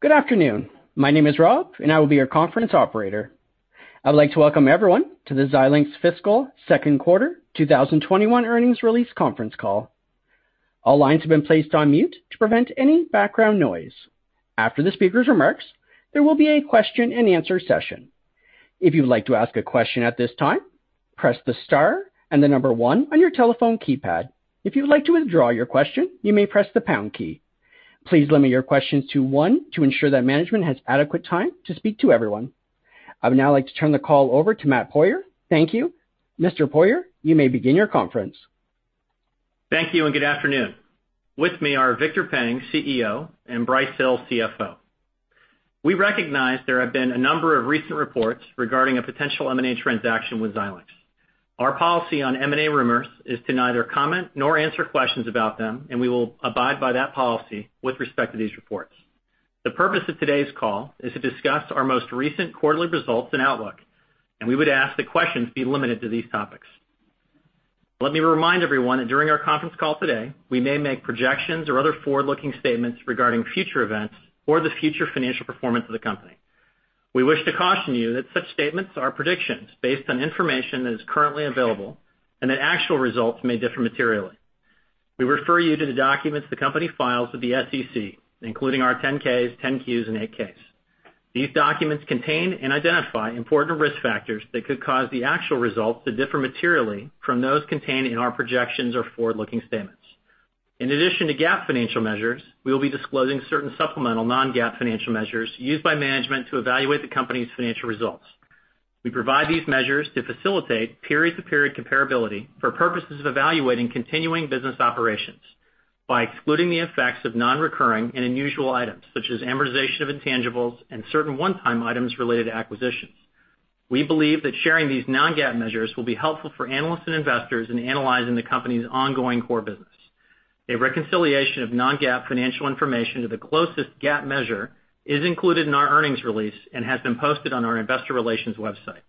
Good afternoon. My name is Rob, and I will be your conference operator. I would like to welcome everyone to the Xilinx fiscal second quarter 2021 earnings release conference call. All lines have been placed on mute to prevent any background noise. After the speaker's remarks, there will be a question and answer session. If you would like to ask a question at this time, press the star and the number one on your telephone keypad. If you would like to withdraw your question, you may press the pound key. Please limit your questions to one to ensure that management has adequate time to speak to everyone. I would now like to turn the call over to Matt Poirier. Thank you. Mr. Poirier, you may begin your conference. Thank you, good afternoon. With me are Victor Peng, CEO, and Brice Hill, CFO. We recognize there have been a number of recent reports regarding a potential M&A transaction with Xilinx. Our policy on M&A rumors is to neither comment nor answer questions about them, and we will abide by that policy with respect to these reports. The purpose of today's call is to discuss our most recent quarterly results and outlook, and we would ask that questions be limited to these topics. Let me remind everyone that during our conference call today, we may make projections or other forward-looking statements regarding future events or the future financial performance of the company. We wish to caution you that such statements are predictions based on information that is currently available, and that actual results may differ materially. We refer you to the documents the company files with the SEC, including our 10-Ks, 10-Qs, and 8-Ks. These documents contain and identify important risk factors that could cause the actual results to differ materially from those contained in our projections or forward-looking statements. In addition to GAAP financial measures, we will be disclosing certain supplemental non-GAAP financial measures used by management to evaluate the company's financial results. We provide these measures to facilitate period to period comparability for purposes of evaluating continuing business operations by excluding the effects of non-recurring and unusual items, such as amortization of intangibles and certain one-time items related to acquisitions. We believe that sharing these non-GAAP measures will be helpful for analysts and investors in analyzing the company's ongoing core business. A reconciliation of non-GAAP financial information to the closest GAAP measure is included in our earnings release and has been posted on our investor relations website.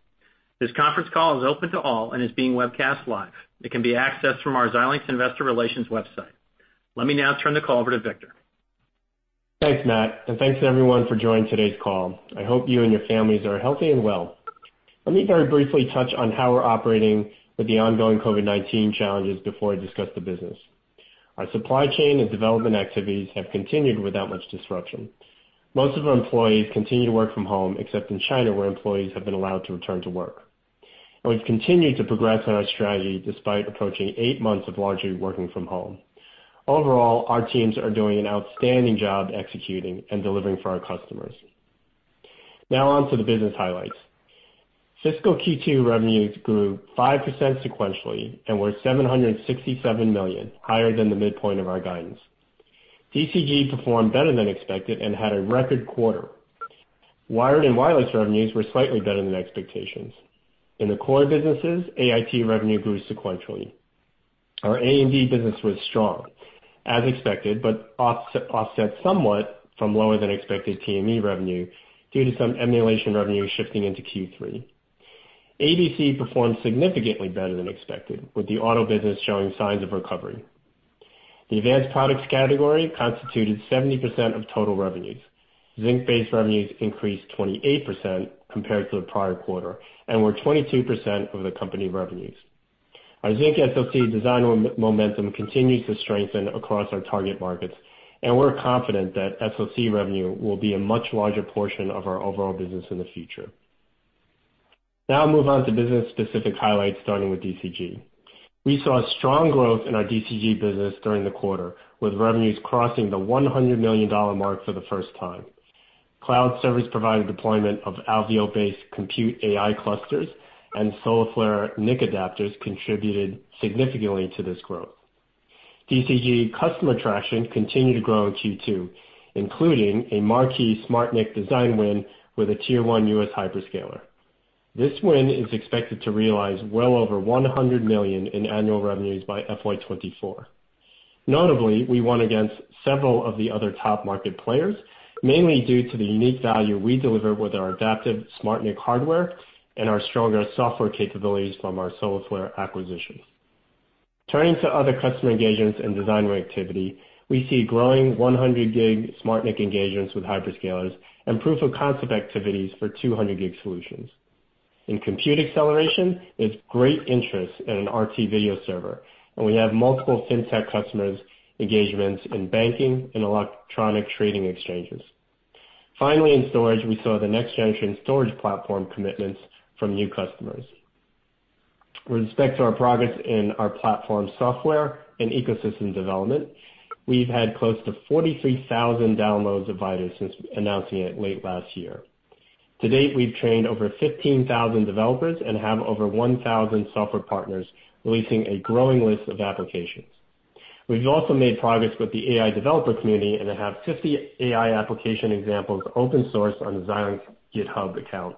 This conference call is open to all and is being webcast live. It can be accessed from our Xilinx investor relations website. Let me now turn the call over to Victor. Thanks, Matt, thanks everyone for joining today's call. I hope you and your families are healthy and well. Let me very briefly touch on how we're operating with the ongoing COVID-19 challenges before I discuss the business. Our supply chain and development activities have continued without much disruption. Most of our employees continue to work from home, except in China, where employees have been allowed to return to work. We've continued to progress on our strategy despite approaching eight months of largely working from home. Overall, our teams are doing an outstanding job executing and delivering for our customers. Now on to the business highlights. Fiscal Q2 revenues grew 5% sequentially and were $767 million, higher than the midpoint of our guidance. DCG performed better than expected and had a record quarter. Wired and wireless revenues were slightly better than expectations. In the core businesses, AIT revenue grew sequentially. Our A&D business was strong, as expected, but offset somewhat from lower than expected TME revenue due to some emulation revenue shifting into Q3. ABC performed significantly better than expected, with the auto business showing signs of recovery. The advanced products category constituted 70% of total revenues. Zynq-based revenues increased 28% compared to the prior quarter and were 22% of the company revenues. Our Zynq SoC design momentum continues to strengthen across our target markets, and we're confident that SoC revenue will be a much larger portion of our overall business in the future. I move on to business-specific highlights, starting with DCG. We saw strong growth in our DCG business during the quarter, with revenues crossing the $100 million mark for the first time. Cloud service provider deployment of Alveo-based compute AI clusters and Solarflare NIC adapters contributed significantly to this growth. DCG customer traction continued to grow in Q2, including a marquee SmartNIC design win with a tier 1 U.S. hyperscaler. This win is expected to realize well over $100 million in annual revenues by FY 2024. Notably, we won against several of the other top market players, mainly due to the unique value we deliver with our adaptive SmartNIC hardware and our stronger software capabilities from our Solarflare acquisitions. Turning to other customer engagements and design win activity, we see growing 100 Gb SmartNIC engagements with hyperscalers and proof of concept activities for 200 Gb solutions. In compute acceleration, there's great interest in an RT Video Server. We have multiple fintech customers engagements in banking and electronic trading exchanges. Finally, in storage, we saw the next generation storage platform commitments from new customers. With respect to our progress in our platform software and ecosystem development, we've had close to 43,000 downloads of Vitis since announcing it late last year. To date, we've trained over 15,000 developers and have over 1,000 software partners releasing a growing list of applications. We've also made progress with the AI developer community and have 50 AI application examples open source on the Xilinx GitHub account.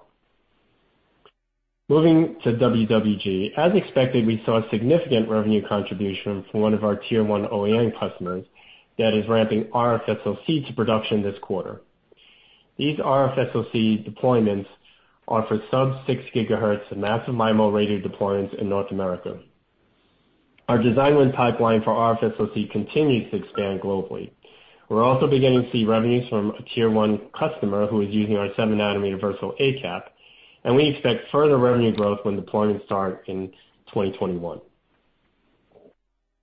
Moving to WWG. As expected, we saw significant revenue contribution from one of our tier 1 OEM customers that is ramping RFSoC to production this quarter. These RFSoC deployments offer sub-6 GHz massive MIMO radio deployments in North America. Our design win pipeline for RFSoC continues to expand globally. We're also beginning to see revenues from a tier 1 customer who is using our 7 nm Versal ACAP, and we expect further revenue growth when deployments start in 2021.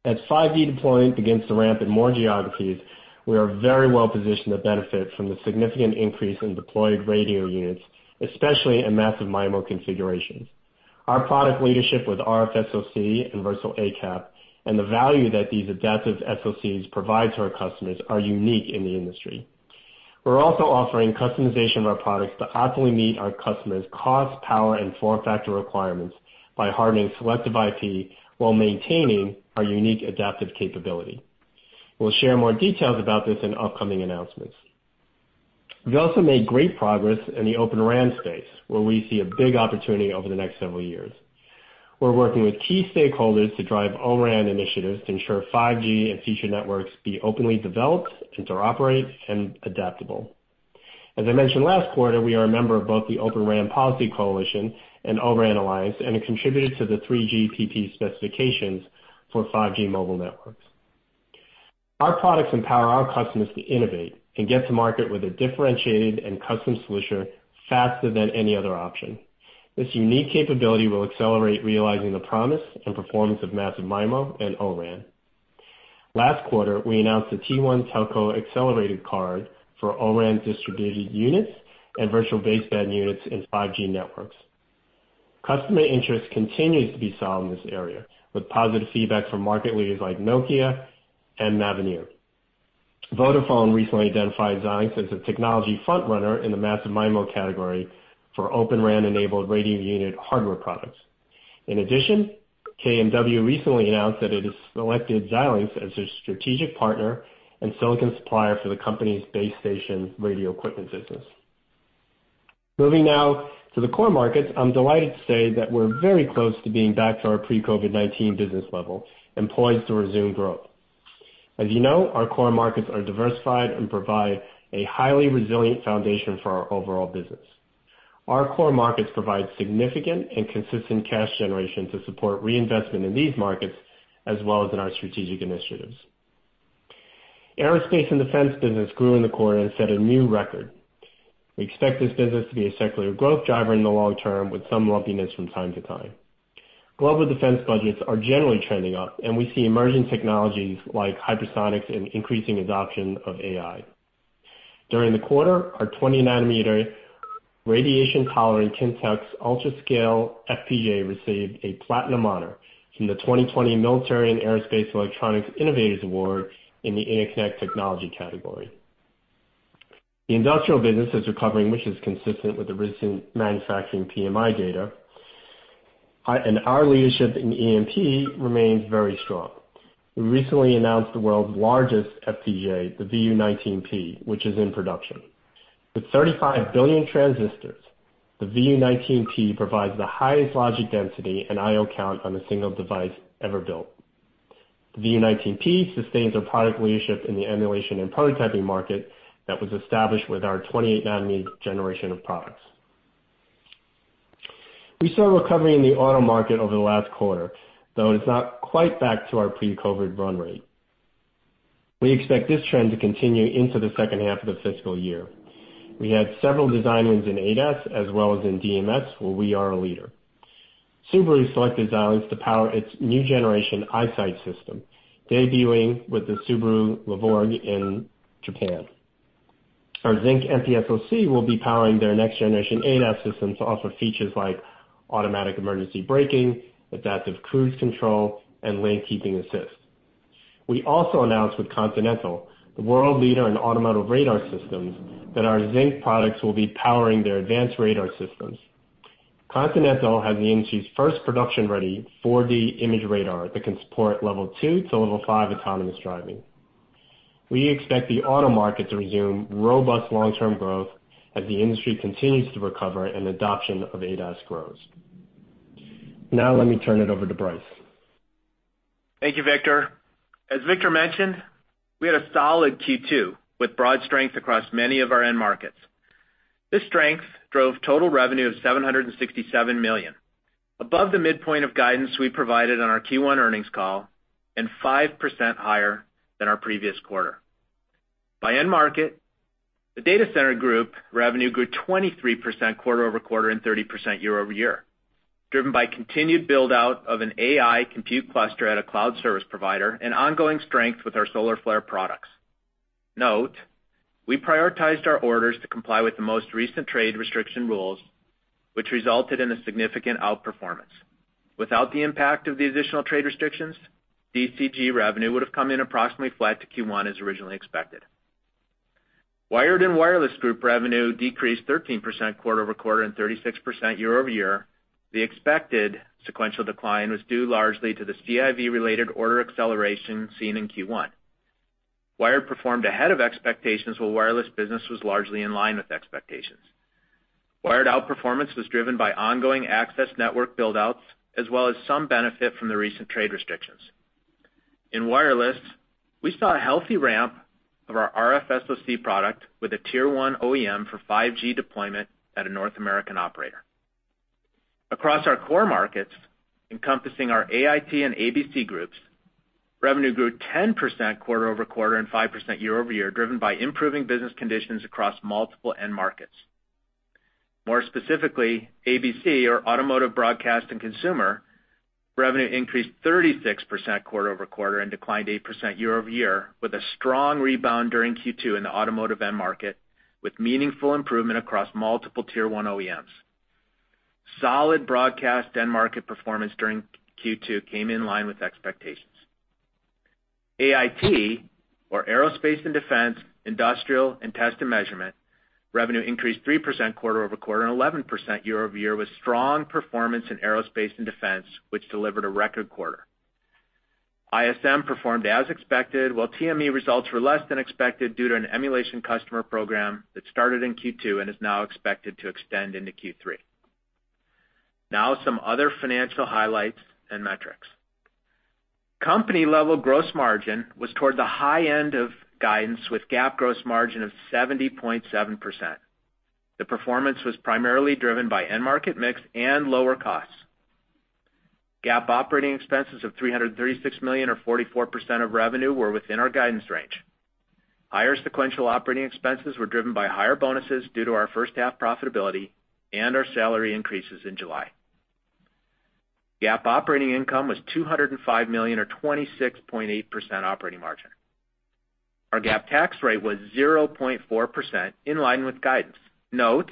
As 5G deployment begins to ramp in more geographies, we are very well positioned to benefit from the significant increase in deployed radio units, especially in massive MIMO configurations. Our product leadership with RFSoC and Versal ACAP, and the value that these adaptive SoCs provide to our customers are unique in the industry. We're also offering customization of our products to optimally meet our customers' cost, power, and form factor requirements by hardening selective IP while maintaining our unique adaptive capability. We'll share more details about this in upcoming announcements. We've also made great progress in the Open RAN space, where we see a big opportunity over the next several years. We're working with key stakeholders to drive O-RAN initiatives to ensure 5G and future networks be openly developed, interoperate, and adaptable. As I mentioned last quarter, we are a member of both the Open RAN Policy Coalition and O-RAN Alliance and have contributed to the 3GPP specifications for 5G mobile networks. Our products empower our customers to innovate and get to market with a differentiated and custom solution faster than any other option. This unique capability will accelerate realizing the promise and performance of massive MIMO and O-RAN. Last quarter, we announced a T1 Telco Accelerator Card for O-RAN distributed units and virtual baseband units in 5G networks. Customer interest continues to be solid in this area, with positive feedback from market leaders like Nokia and Mavenir. Vodafone recently identified Xilinx as a technology front-runner in the massive MIMO category for Open RAN-enabled radio unit hardware products. In addition, KMW recently announced that it has selected Xilinx as their strategic partner and silicon supplier for the company's base station radio equipment business. Moving now to the core markets, I'm delighted to say that we're very close to being back to our pre-COVID-19 business level and poised to resume growth. As you know, our core markets are diversified and provide a highly resilient foundation for our overall business. Our core markets provide significant and consistent cash generation to support reinvestment in these markets, as well as in our strategic initiatives. Aerospace and Defense business grew in the quarter and set a new record. We expect this business to be a secular growth driver in the long term with some lumpiness from time to time. Global defense budgets are generally trending up, and we see emerging technologies like hypersonics and increasing adoption of AI. During the quarter, our 20 nm radiation-tolerant Kintex UltraScale FPGA received a platinum honor from the 2020 Military & Aerospace Electronics Innovators Awards in the interconnect technology category. The industrial business is recovering, which is consistent with the recent manufacturing PMI data. Our leadership in E&P remains very strong. We recently announced the world's largest FPGA, the VU19P, which is in production. With 35 billion transistors, the VU19P provides the highest logic density and I/O count on a single device ever built. The VU19P sustains our product leadership in the emulation and prototyping market that was established with our 28 nm generation of products. We saw a recovery in the auto market over the last quarter, though it is not quite back to our pre-COVID run rate. We expect this trend to continue into the second half of the fiscal year. We had several design wins in ADAS as well as in DMS, where we are a leader. Subaru selected Xilinx to power its new generation EyeSight system, debuting with the Subaru Levorg in Japan. Our Zynq MPSoC will be powering their next-generation ADAS systems to offer features like automatic emergency braking, adaptive cruise control, and lane-keeping assist. We also announced with Continental, the world leader in automotive radar systems, that our Zynq products will be powering their advanced radar systems. Continental has the industry's first production-ready 4D imaging radar that can support level 2 to level 5 autonomous driving. We expect the auto market to resume robust long-term growth as the industry continues to recover and adoption of ADAS grows. Now let me turn it over to Brice. Thank you, Victor. As Victor mentioned, we had a solid Q2 with broad strength across many of our end markets. This strength drove total revenue of $767 million, above the midpoint of guidance we provided on our Q1 earnings call and 5% higher than our previous quarter. By end market, the Data Center Group revenue grew 23% quarter-over-quarter and 30% year-over-year, driven by continued build-out of an AI compute cluster at a cloud service provider and ongoing strength with our Solarflare products. Note, we prioritized our orders to comply with the most recent trade restriction rules, which resulted in a significant outperformance. Without the impact of the additional trade restrictions, DCG revenue would have come in approximately flat to Q1 as originally expected. Wired and Wireless Group revenue decreased 13% quarter-over-quarter and 36% year-over-year. The expected sequential decline was due largely to the CIV-related order acceleration seen in Q1. Wired performed ahead of expectations, while wireless business was largely in line with expectations. Wired outperformance was driven by ongoing access network build-outs, as well as some benefit from the recent trade restrictions. In wireless, we saw a healthy ramp of our RFSoC product with a tier 1 OEM for 5G deployment at a North American operator. Across our core markets, encompassing our AIT and ABC groups, revenue grew 10% quarter-over-quarter and 5% year-over-year, driven by improving business conditions across multiple end markets. More specifically, ABC, or Automotive, Broadcast, and Consumer, revenue increased 36% quarter-over-quarter and declined 8% year-over-year with a strong rebound during Q2 in the automotive end market with meaningful improvement across multiple tier 1 OEMs. Solid broadcast end market performance during Q2 came in line with expectations. AIT, or Aerospace & Defense, Industrial, and Test & Measurement, revenue increased 3% quarter-over-quarter and 11% year-over-year with strong performance in Aerospace & Defense, which delivered a record quarter. ISM performed as expected, while TME results were less than expected due to an emulation customer program that started in Q2 and is now expected to extend into Q3. Now, some other financial highlights and metrics. Company-level gross margin was toward the high end of guidance with GAAP gross margin of 70.7%. The performance was primarily driven by end-market mix and lower costs. GAAP operating expenses of $336 million, or 44% of revenue, were within our guidance range. Higher sequential operating expenses were driven by higher bonuses due to our first half profitability and our salary increases in July. GAAP operating income was $205 million, or 26.8% operating margin. Our GAAP tax rate was 0.4%, in line with guidance. Note,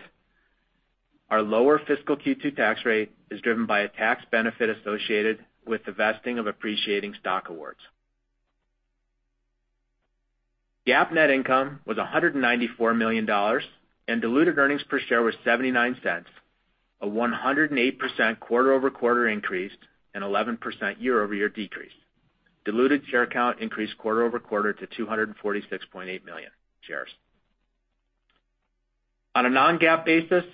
our lower fiscal Q2 tax rate is driven by a tax benefit associated with the vesting of appreciating stock awards. GAAP net income was $194 million, and diluted earnings per share was $0.79, a 108% quarter-over-quarter increase and 11% year-over-year decrease. Diluted share count increased quarter-over-quarter to 246.8 million shares. On a non-GAAP basis,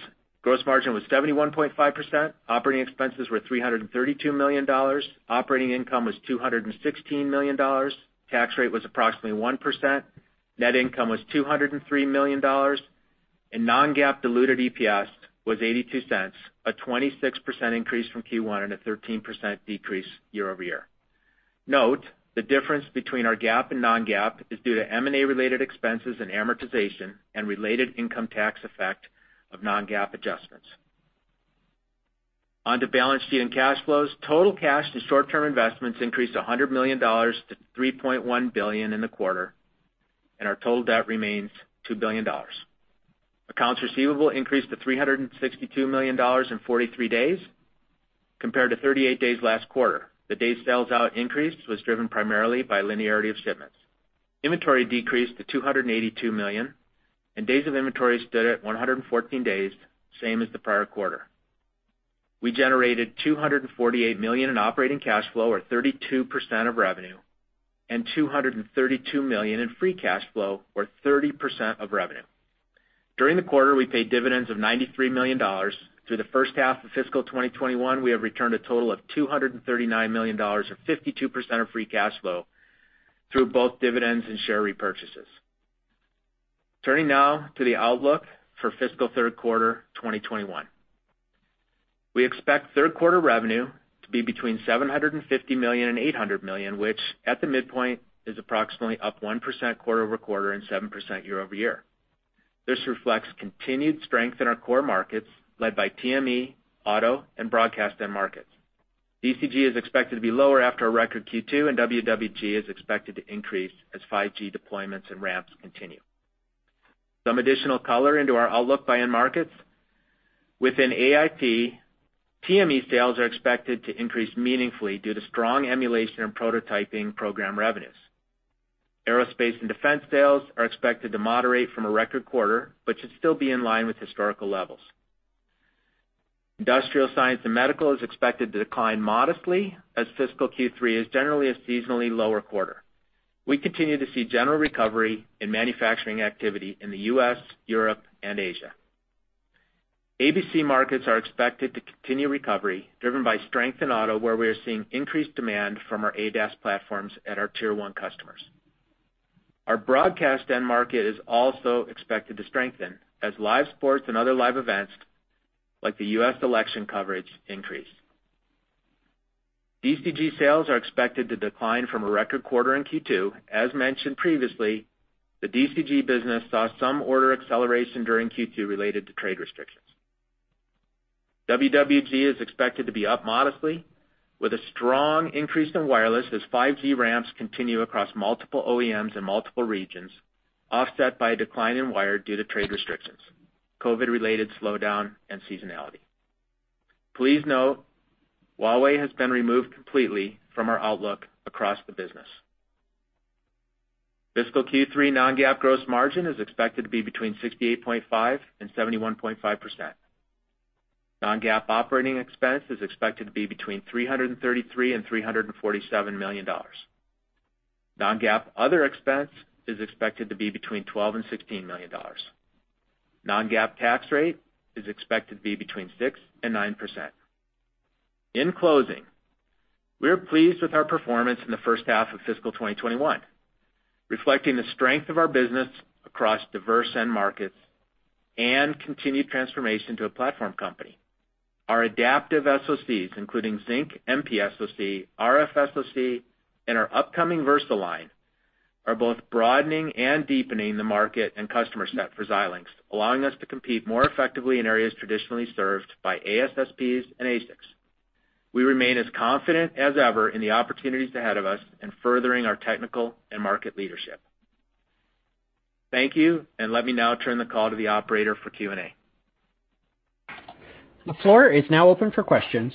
gross margin was 71.5%, operating expenses were $332 million, operating income was $216 million, tax rate was approximately 1%, net income was $203 million, and non-GAAP diluted EPS was $0.82, a 26% increase from Q1 and a 13% decrease year-over-year. Note, the difference between our GAAP and non-GAAP is due to M&A-related expenses and amortization and related income tax effect of non-GAAP adjustments. On to balance sheet and cash flows. Total cash to short-term investments increased $100 million to $3.1 billion in the quarter, and our total debt remains $2 billion. Accounts receivable increased to $362 million in 43 days compared to 38 days last quarter. The days sales out increase was driven primarily by linearity of shipments. Inventory decreased to $282 million, and days of inventory stood at 114 days, same as the prior quarter. We generated $248 million in operating cash flow, or 32% of revenue, and $232 million in free cash flow, or 30% of revenue. During the quarter, we paid dividends of $93 million. Through the first half of fiscal 2021, we have returned a total of $239 million, or 52% of free cash flow through both dividends and share repurchases. Turning now to the outlook for fiscal third quarter 2021. We expect third quarter revenue to be between $750 million and $800 million, which at the midpoint is approximately up 1% quarter-over-quarter and 7% year-over-year. This reflects continued strength in our core markets led by TME, Auto, and Broadcast end markets. DCG is expected to be lower after a record Q2, and WWG is expected to increase as 5G deployments and ramps continue. Some additional color into our outlook by end markets. Within AIT, TME sales are expected to increase meaningfully due to strong emulation and prototyping program revenues. Aerospace & Defense sales are expected to moderate from a record quarter, but should still be in line with historical levels. Industrial, Scientific, and Medical is expected to decline modestly as fiscal Q3 is generally a seasonally lower quarter. We continue to see general recovery in manufacturing activity in the U.S., Europe, and Asia. ABC markets are expected to continue recovery driven by strength in auto, where we are seeing increased demand from our ADAS platforms at our tier 1 customers. Our broadcast end market is also expected to strengthen as live sports and other live events like the U.S. election coverage increase. DCG sales are expected to decline from a record quarter in Q2. As mentioned previously, the DCG business saw some order acceleration during Q2 related to trade restrictions. WWG is expected to be up modestly with a strong increase in wireless as 5G ramps continue across multiple OEMs in multiple regions, offset by a decline in wired due to trade restrictions, COVID-related slowdown, and seasonality. Please note, Huawei has been removed completely from our outlook across the business. Fiscal Q3 non-GAAP gross margin is expected to be between 68.5% and 71.5%. Non-GAAP operating expense is expected to be between $333 million and $347 million. Non-GAAP other expense is expected to be between $12 million and $16 million. Non-GAAP tax rate is expected to be between 6% and 9%. In closing, we are pleased with our performance in the first half of fiscal 2021, reflecting the strength of our business across diverse end markets and continued transformation to a platform company. Our adaptive SoCs, including Zynq, MPSoC, RFSoC, and our upcoming Versal line, are both broadening and deepening the market and customer set for Xilinx, allowing us to compete more effectively in areas traditionally served by ASSPs and ASICs. We remain as confident as ever in the opportunities ahead of us in furthering our technical and market leadership. Thank you, and let me now turn the call to the operator for Q&A. The floor is now open for questions.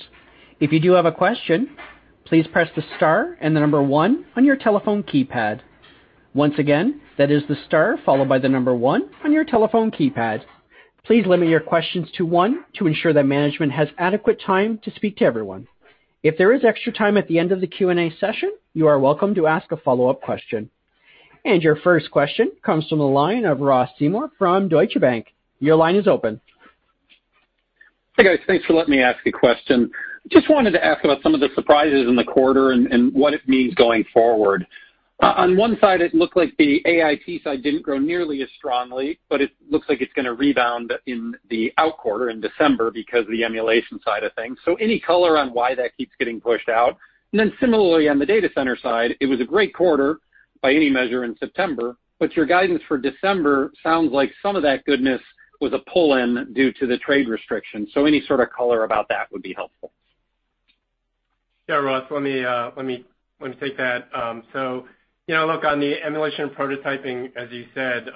If you do have a question, please press the star and the number one on your telephone keypad. Once again, that is the star followed by the number one on your telephone keypad. Please limit your questions to one to ensure that management has adequate time to speak to everyone. If there is extra time at the end of the Q&A session, you are welcome to ask a follow-up question. Your first question comes from the line of Ross Seymore from Deutsche Bank. Your line is open. Hey, guys. Thanks for letting me ask a question. Just wanted to ask about some of the surprises in the quarter and what it means going forward. On one side, it looked like the AIT side didn't grow nearly as strongly, it looks like it's going to rebound in the out quarter in December because of the emulation side of things. Any color on why that keeps getting pushed out? Similarly, on the data center side, it was a great quarter by any measure in September, your guidance for December sounds like some of that goodness was a pull-in due to the trade restrictions. Any sort of color about that would be helpful. Ross, let me take that. Look, on the emulation prototyping, as you said,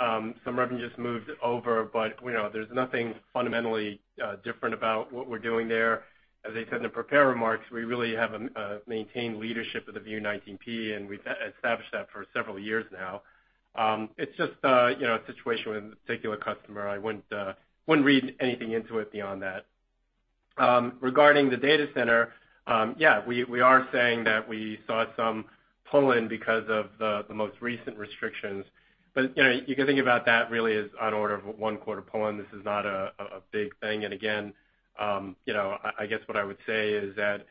some revenue just moved over, but there's nothing fundamentally different about what we're doing there. As I said in the prepared remarks, we really have maintained leadership of the VU19P, and we've established that for several years now. It's just a situation with a particular customer. I wouldn't read anything into it beyond that. Regarding the data center, we are saying that we saw some pull-in because of the most recent restrictions. You can think about that really as on order of one quarter pull-in. This is not a big thing. Again, I guess what I would say is that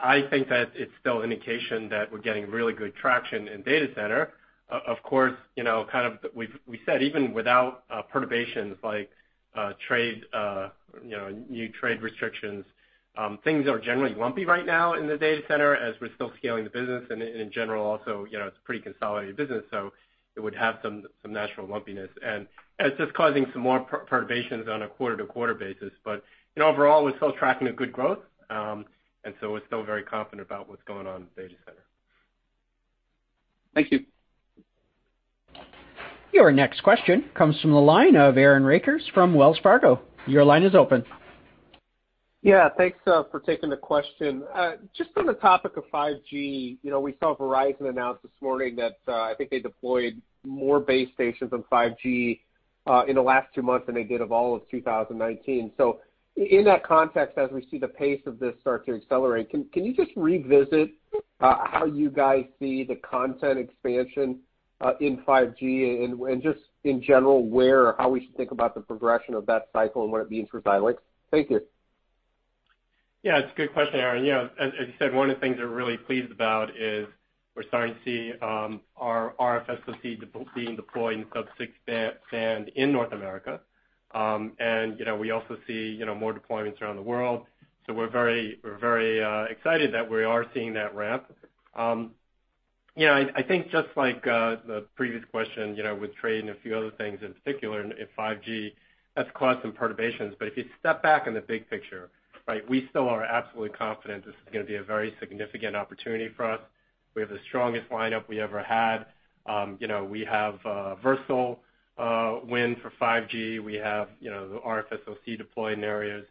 I think that it's still indication that we're getting really good traction in data center. Of course, we said even without perturbations like new trade restrictions, things are generally lumpy right now in the data center as we're still scaling the business. In general also, it's a pretty consolidated business, so it would have some natural lumpiness. It's just causing some more perturbations on a quarter-to-quarter basis. Overall, we're still tracking a good growth, so we're still very confident about what's going on in data center. Thank you. Your next question comes from the line of Aaron Rakers from Wells Fargo. Your line is open. Yeah. Thanks for taking the question. Just on the topic of 5G, we saw Verizon announce this morning that I think they deployed more base stations on 5G in the last two months than they did of all of 2019. In that context, as we see the pace of this start to accelerate, can you just revisit how you guys see the content expansion in 5G and just in general, where or how we should think about the progression of that cycle and what it means for Xilinx? Thank you. Yeah, it's a good question, Aaron. As you said, one of the things we're really pleased about is we're starting to see our RFSoC being deployed in sub-6 GHz band in North America. We also see more deployments around the world. We're very excited that we are seeing that ramp. I think just like the previous question, with trade and a few other things in particular in 5G, that's caused some perturbations. If you step back in the big picture, we still are absolutely confident this is going to be a very significant opportunity for us. We have the strongest lineup we ever had. We have Versal win for 5G. We have the RFSoC deployed in areas,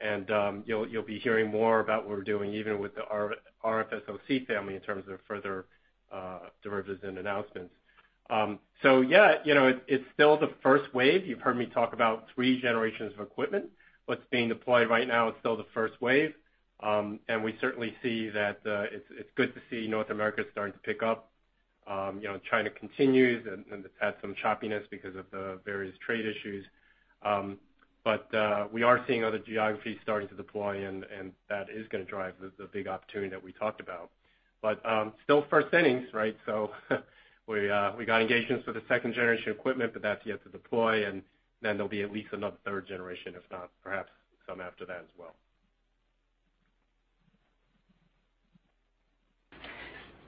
and you'll be hearing more about what we're doing even with the RFSoC family in terms of further derivatives and announcements. Yeah, it's still the first wave. You've heard me talk about three generations of equipment. What's being deployed right now is still the first wave. We certainly see that it's good to see North America starting to pick up. China continues and has some choppiness because of the various trade issues. We are seeing other geographies starting to deploy, and that is going to drive the big opportunity that we talked about. Still first innings, right? We got engagements for the second generation equipment, but that's yet to deploy, and then there'll be at least another third generation, if not perhaps some after that as well.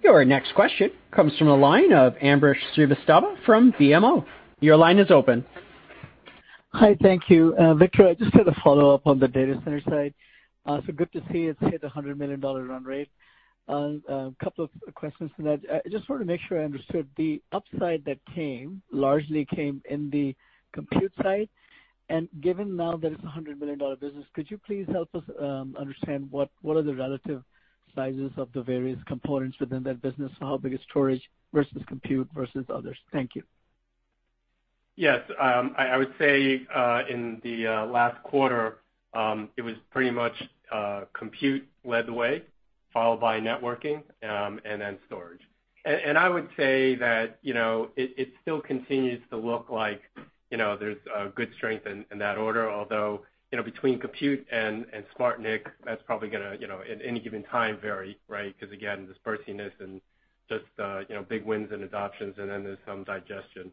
Your next question comes from the line of Ambrish Srivastava from BMO. Your line is open. Hi, thank you. Victor, I just had a follow-up on the data center side. Good to see it hit $100 million run rate. A couple of questions from that. I just wanted to make sure I understood the upside that came largely came in the compute side. Given now that it's a $100 million business, could you please help us understand what are the relative sizes of the various components within that business? How big is storage versus compute versus others? Thank you. Yes. I would say, in the last quarter, it was pretty much compute led the way, followed by networking, and then storage. I would say that it still continues to look like there's a good strength in that order, although, between compute and SmartNIC, that's probably going to, at any given time, vary, right? Because again, this [perkiness] and just big wins and adoptions, and then there's some digestion.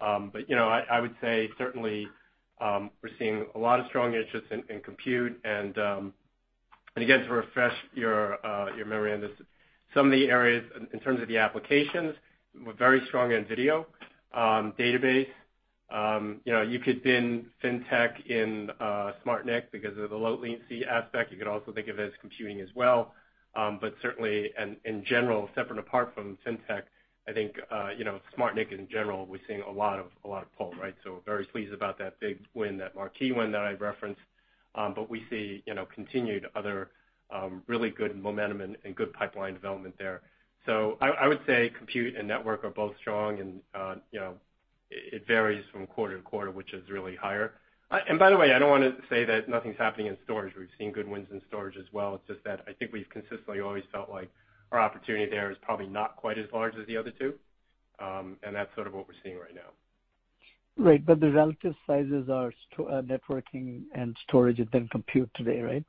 I would say certainly, we're seeing a lot of strong interest in compute and, again, to refresh your memory on this, some of the areas in terms of the applications, were very strong in video, database. You could bin fintech in SmartNIC because of the low latency aspect. You could also think of it as computing as well. Certainly, in general, separate apart from fintech, I think, SmartNIC in general, we're seeing a lot of pull, right? Very pleased about that big win, that marquee win that I referenced. We see continued other really good momentum and good pipeline development there. I would say compute and network are both strong and it varies from quarter to quarter, which is really higher. By the way, I don't want to say that nothing's happening in storage. We've seen good wins in storage as well. It's just that I think we've consistently always felt like our opportunity there is probably not quite as large as the other two. That's sort of what we're seeing right now. The relative sizes are networking and storage and then compute today, right?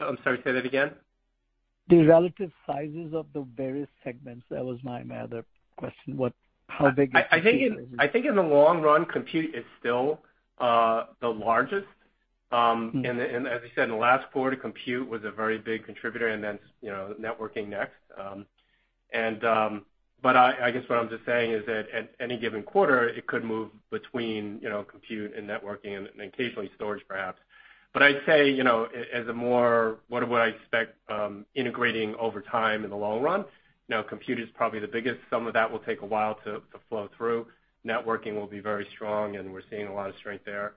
I'm sorry, say that again? The relative sizes of the various segments. That was my other question, how big is compute- I think in the long run, compute is still the largest. As I said, in the last quarter, compute was a very big contributor and then networking next. I guess what I'm just saying is that at any given quarter, it could move between compute and networking and occasionally storage perhaps. I'd say, as a more, what would I expect integrating over time in the long run, compute is probably the biggest. Some of that will take a while to flow through. Networking will be very strong, and we're seeing a lot of strength there,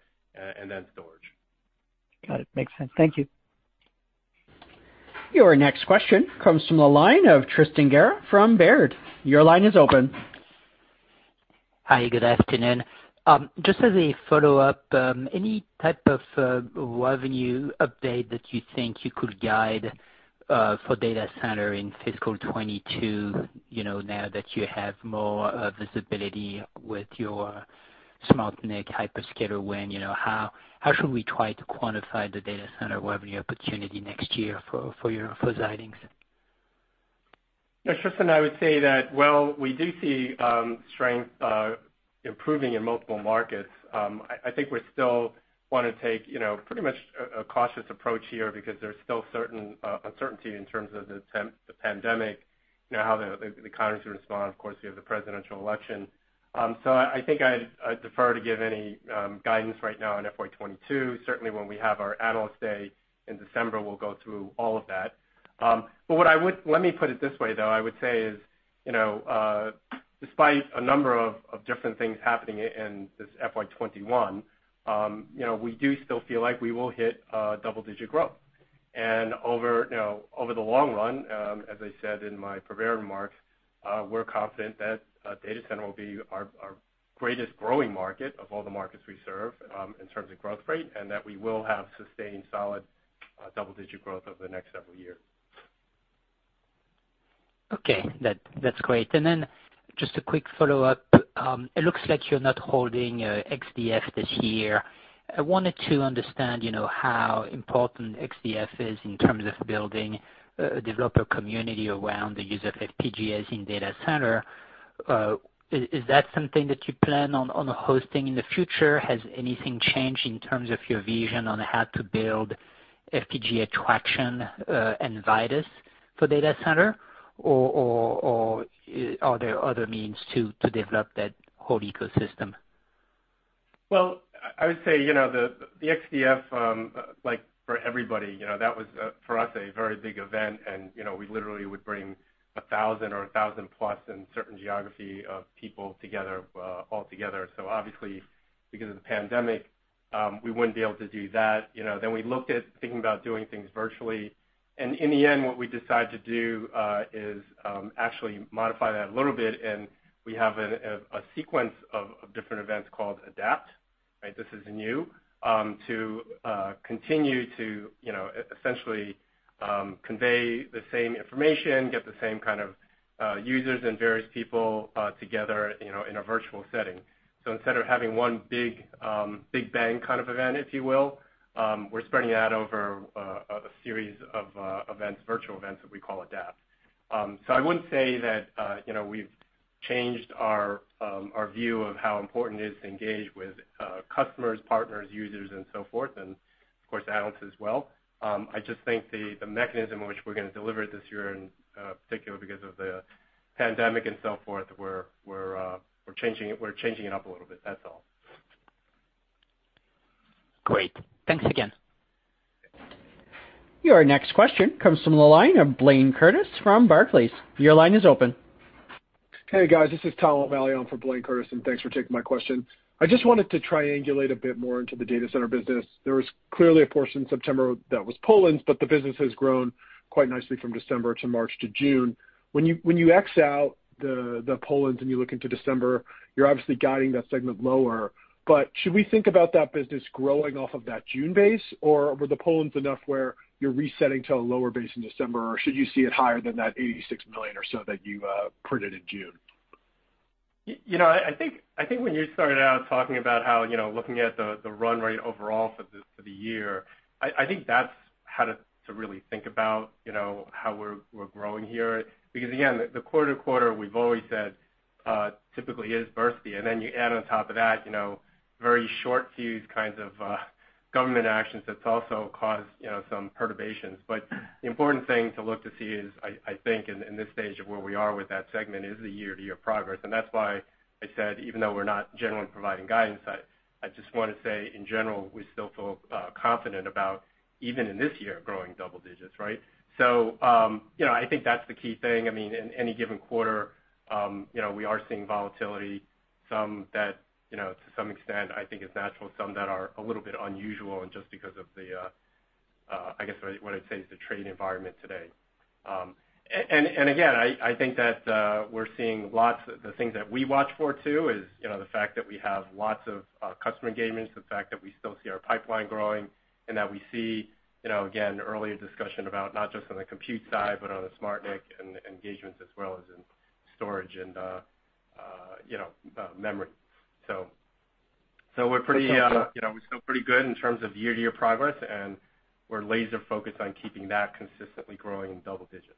and then storage. Got it. Makes sense. Thank you. Your next question comes from the line of Tristan Gerra from Baird. Your line is open. Hi, good afternoon. Just as a follow-up, any type of revenue update that you think you could guide for data center in fiscal 2022, now that you have more visibility with your SmartNIC hyperscaler win? How should we try to quantify the data center revenue opportunity next year for Xilinx? Yeah, Tristan, I would say that while we do see strength improving in multiple markets, I think we still want to take pretty much a cautious approach here because there's still uncertainty in terms of the pandemic, how the economy's going to respond. Of course, we have the presidential election. I think I'd defer to give any guidance right now on FY 2022. Certainly, when we have our Analyst Day in December, we'll go through all of that. Let me put it this way, though, I would say is, despite a number of different things happening in this FY 2021, we do still feel like we will hit double-digit growth. Over the long run, as I said in my prepared remarks, we're confident that data center will be our greatest growing market of all the markets we serve, in terms of growth rate, and that we will have sustained solid double-digit growth over the next several years. Okay. That's great. Just a quick follow-up. It looks like you're not holding XDF this year. I wanted to understand how important XDF is in terms of building a developer community around the use of FPGAs in data center. Is that something that you plan on hosting in the future? Has anything changed in terms of your vision on how to build FPGA traction and Vitis for data center? Are there other means to develop that whole ecosystem? I would say, the XDF, like for everybody, that was, for us, a very big event and we literally would bring 1,000 or 1,000+ in certain geography of people all together. Obviously, because of the pandemic, we wouldn't be able to do that. We looked at thinking about doing things virtually, and in the end, what we decided to do is actually modify that a little bit, and we have a sequence of different events called Adapt, this is new, to continue to essentially convey the same information, get the same kind of users and various people together in a virtual setting. Instead of having one big bang kind of event, if you will, we're spreading that over a series of events, virtual events that we call Adapt. I wouldn't say that we've changed our view of how important it is to engage with customers, partners, users, and so forth, and of course, analysts as well. I just think the mechanism in which we're going to deliver it this year in particular because of the pandemic and so forth, we're changing it up a little bit. That's all. Great. Thanks again. Your next question comes from the line of Blayne Curtis from Barclays. Your line is open. Hey, guys, this is Tom O'Malley. I'm for Blayne Curtis. Thanks for taking my question. I just wanted to triangulate a bit more into the data center business. There was clearly a portion in September that was pull-ins. The business has grown quite nicely from December to March to June. When you x out the pull-ins and you look into December, you're obviously guiding that segment lower. Should we think about that business growing off of that June base? Were the pull-ins enough where you're resetting to a lower base in December, or should you see it higher than that $86 million or so that you printed in June? I think when you started out talking about how looking at the run rate overall for the year, I think that's how to really think about how we're growing here. Again, the quarter-to-quarter, we've always said, typically is bursty, and then you add on top of that very short fuse kinds of government actions that's also caused some perturbations. The important thing to look to see is, I think in this stage of where we are with that segment, is the year-to-year progress. That's why I said, even though we're not generally providing guidance, I just want to say, in general, we still feel confident about even in this year, growing double digits. Right. I think that's the key thing. In any given quarter, we are seeing volatility. Some that, to some extent, I think is natural, some that are a little bit unusual and just because of the, I guess what I'd say is the trading environment today. Again, I think that we're seeing lots of the things that we watch for too, is the fact that we have lots of customer engagements, the fact that we still see our pipeline growing and that we see, again, earlier discussion about not just on the compute side, but on the SmartNIC and engagements as well as in storage and memory. We feel pretty good in terms of year-to-year progress, and we're laser focused on keeping that consistently growing in double digits.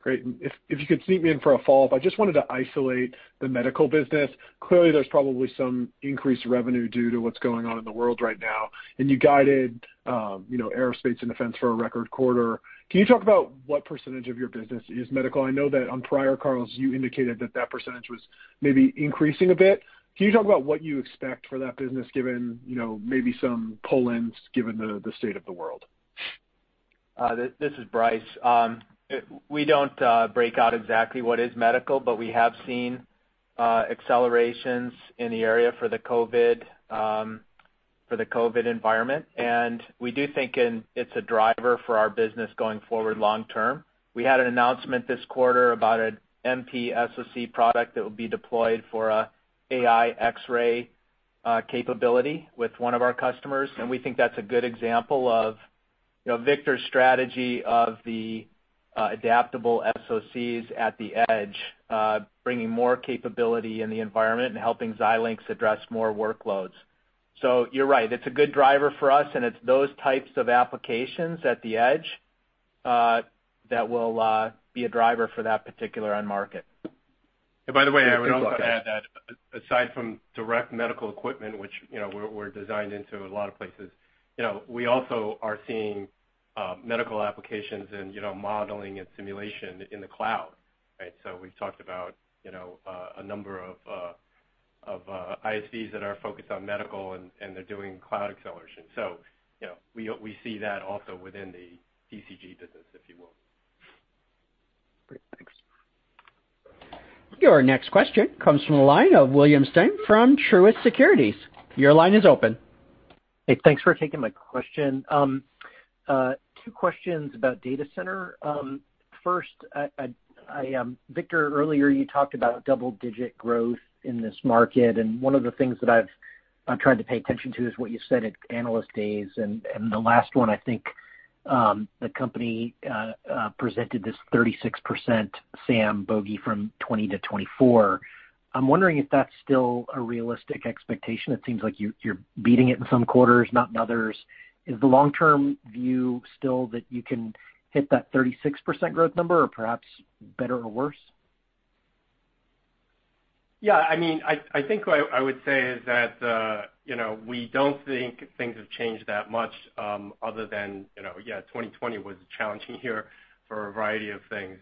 Great. If you could seat me in for a follow-up, I just wanted to isolate the medical business. Clearly, there's probably some increased revenue due to what's going on in the world right now, and you guided Aerospace & Defense for a record quarter. Can you talk about what percentage of your business is medical? I know that on prior calls, you indicated that that percentage was maybe increasing a bit. Can you talk about what you expect for that business given maybe some pull-ins given the state of the world? This is Brice. We don't break out exactly what is medical, but we have seen accelerations in the area for the COVID environment, and we do think it's a driver for our business going forward long term. We had an announcement this quarter about an MPSoC product that will be deployed for an AI X-ray capability with one of our customers, and we think that's a good example of Victor's strategy of the adaptable SoCs at the edge, bringing more capability in the environment and helping Xilinx address more workloads. You're right. It's a good driver for us, and it's those types of applications at the edge that will be a driver for that particular end market. By the way, I would also add that aside from direct medical equipment, which we're designed into a lot of places, we also are seeing medical applications in modeling and simulation in the cloud. Right? We've talked about a number of ISVs that are focused on medical, and they're doing cloud acceleration. We see that also within the DCG business, if you will. Great. Thanks. Your next question comes from the line of William Stein from Truist Securities. Your line is open. Hey, thanks for taking my question. Two questions about data center. First, Victor, earlier you talked about double-digit growth in this market, and one of the things that I've tried to pay attention to is what you said at Analyst Days. The last one, I think, the company presented this 36% SAM bogey from 2020 to 2024. I'm wondering if that's still a realistic expectation. It seems like you're beating it in some quarters, not in others. Is the long-term view still that you can hit that 36% growth number or perhaps better or worse? Yeah, I think what I would say is that we don't think things have changed that much other than, yeah, 2020 was a challenging year for a variety of things.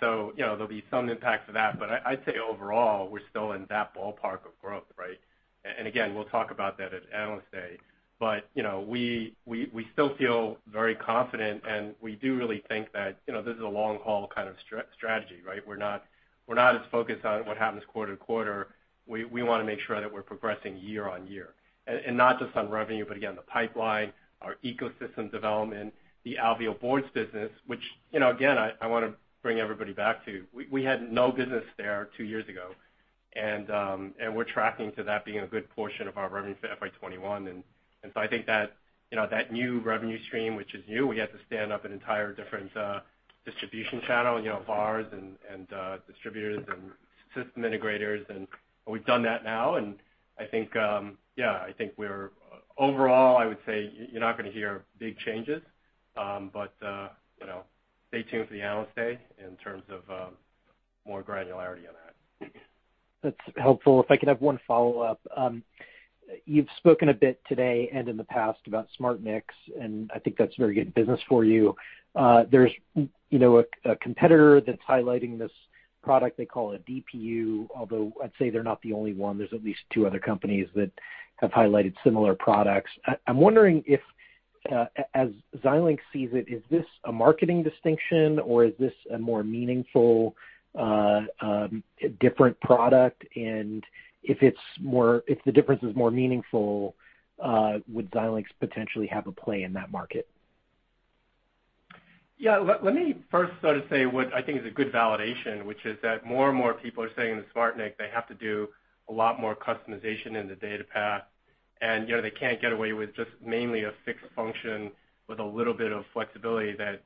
There'll be some impacts of that. I'd say overall, we're still in that ballpark of growth. Right? Again, we'll talk about that at Analyst Day. We still feel very confident, and we do really think that this is a long-haul kind of strategy. Right? We're not as focused on what happens quarter to quarter. We want to make sure that we're progressing year-on-year. Not just on revenue, but again, the pipeline, our ecosystem development, the Alveo boards business, which again, I want to bring everybody back to. We had no business there two years ago, and we're tracking to that being a good portion of our revenue for FY 2021. I think that new revenue stream, which is new, we had to stand up an entire different distribution channel, VARs and distributors and system integrators, and we've done that now. I think, overall, I would say you're not going to hear big changes. Stay tuned for the Analyst Day in terms of more granularity on that. That's helpful. If I could have one follow-up. You've spoken a bit today and in the past about SmartNICs. I think that's very good business for you. There's a competitor that's highlighting this product they call a DPU, although I'd say they're not the only one. There's at least two other companies that have highlighted similar products. I'm wondering if, as Xilinx sees it, is this a marketing distinction, or is this a more meaningful different product? If the difference is more meaningful, would Xilinx potentially have a play in that market? Yeah. Let me first start to say what I think is a good validation, which is that more and more people are saying in the SmartNIC, they have to do a lot more customization in the data path. They can't get away with just mainly a fixed function with a little bit of flexibility that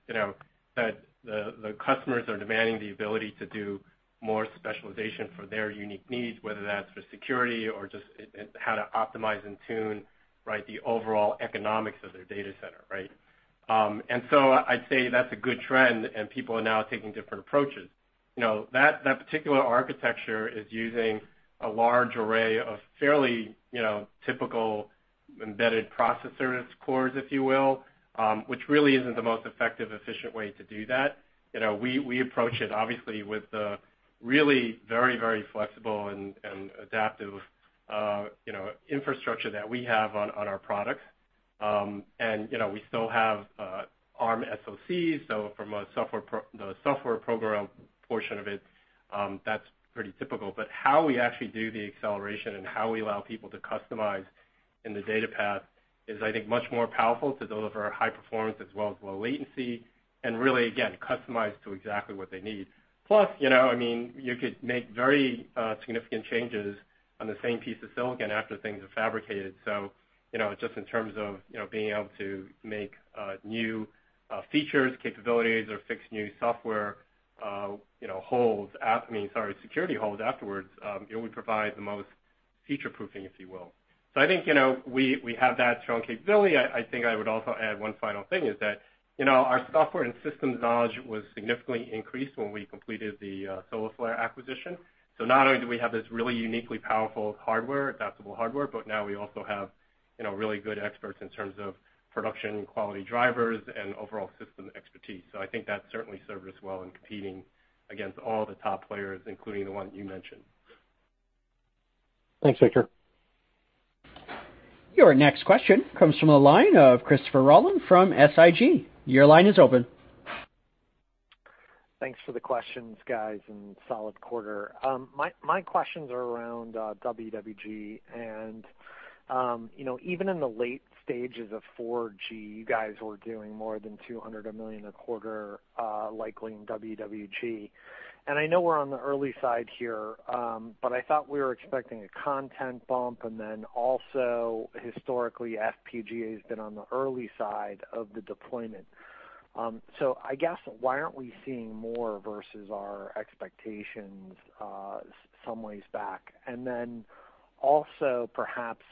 the customers are demanding the ability to do more specialization for their unique needs, whether that's for security or just how to optimize and tune the overall economics of their data center. Right? I'd say that's a good trend. People are now taking different approaches. That particular architecture is using a large array of fairly typical embedded processors cores, if you will, which really isn't the most effective, efficient way to do that. We approach it obviously with a really very very flexible and adaptive infrastructure that we have on our products. We still have Arm SoC, so from the software program portion of it, that's pretty typical. How we actually do the acceleration and how we allow people to customize in the data path is, I think, much more powerful to deliver high performance as well as low latency, and really, again, customized to exactly what they need. Plus, you could make very significant changes on the same piece of silicon after things are fabricated. Just in terms of being able to make new features, capabilities, or fix new security holes afterwards, it would provide the most future-proofing, if you will. I think we have that strong capability. I think I would also add one final thing is that our software and systems knowledge was significantly increased when we completed the Solarflare acquisition. Not only do we have this really uniquely powerful adaptable hardware, but now we also have really good experts in terms of production quality drivers and overall system expertise. I think that certainly served us well in competing against all the top players, including the one you mentioned. Thanks, Victor. Your next question comes from the line of Christopher Rolland from SIG. Your line is open. Thanks for the questions, guys, and solid quarter. My questions are around WWG. Even in the late stages of 4G, you guys were doing more than $200 million a quarter, likely in WWG. I know we're on the early side here, but I thought we were expecting a content bump, and then also historically, FPGA has been on the early side of the deployment. I guess why aren't we seeing more versus our expectations some ways back? Also, perhaps,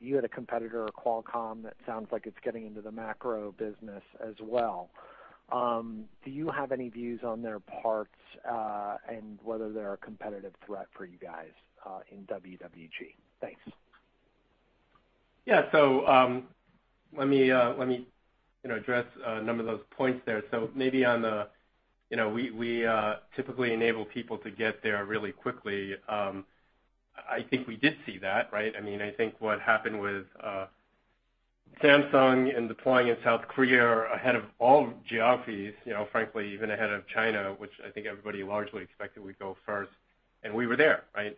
you had a competitor, Qualcomm, that sounds like it's getting into the macro business as well. Do you have any views on their parts and whether they're a competitive threat for you guys in WWG? Thanks. Yeah. Let me address a number of those points there. We typically enable people to get there really quickly. I think we did see that, right? I think what happened with Samsung in deploying in South Korea ahead of all geographies, frankly, even ahead of China, which I think everybody largely expected would go first, and we were there, right?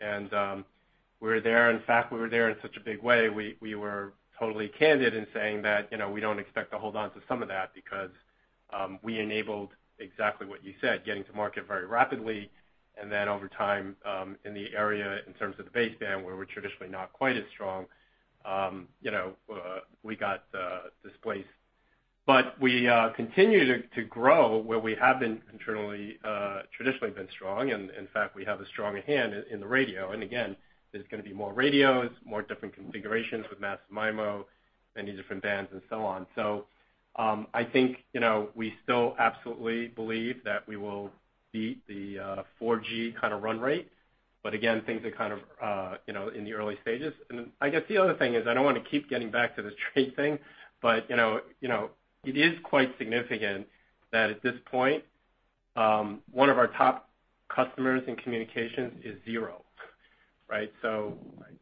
We were there. In fact, we were there in such a big way. We were totally candid in saying that we don't expect to hold onto some of that because we enabled exactly what you said, getting to market very rapidly, and then over time, in the area, in terms of the baseband where we're traditionally not quite as strong, we got displaced. We continue to grow where we have traditionally been strong, and in fact, we have a stronger hand in the radio. Again, there's going to be more radios, more different configurations with massive MIMO, many different bands and so on. I think we still absolutely believe that we will beat the 4G kind of run rate. Again, things are in the early stages. I guess the other thing is, I don't want to keep getting back to the trade thing, but it is quite significant that at this point, one of our top customers in communications is Zero. Right?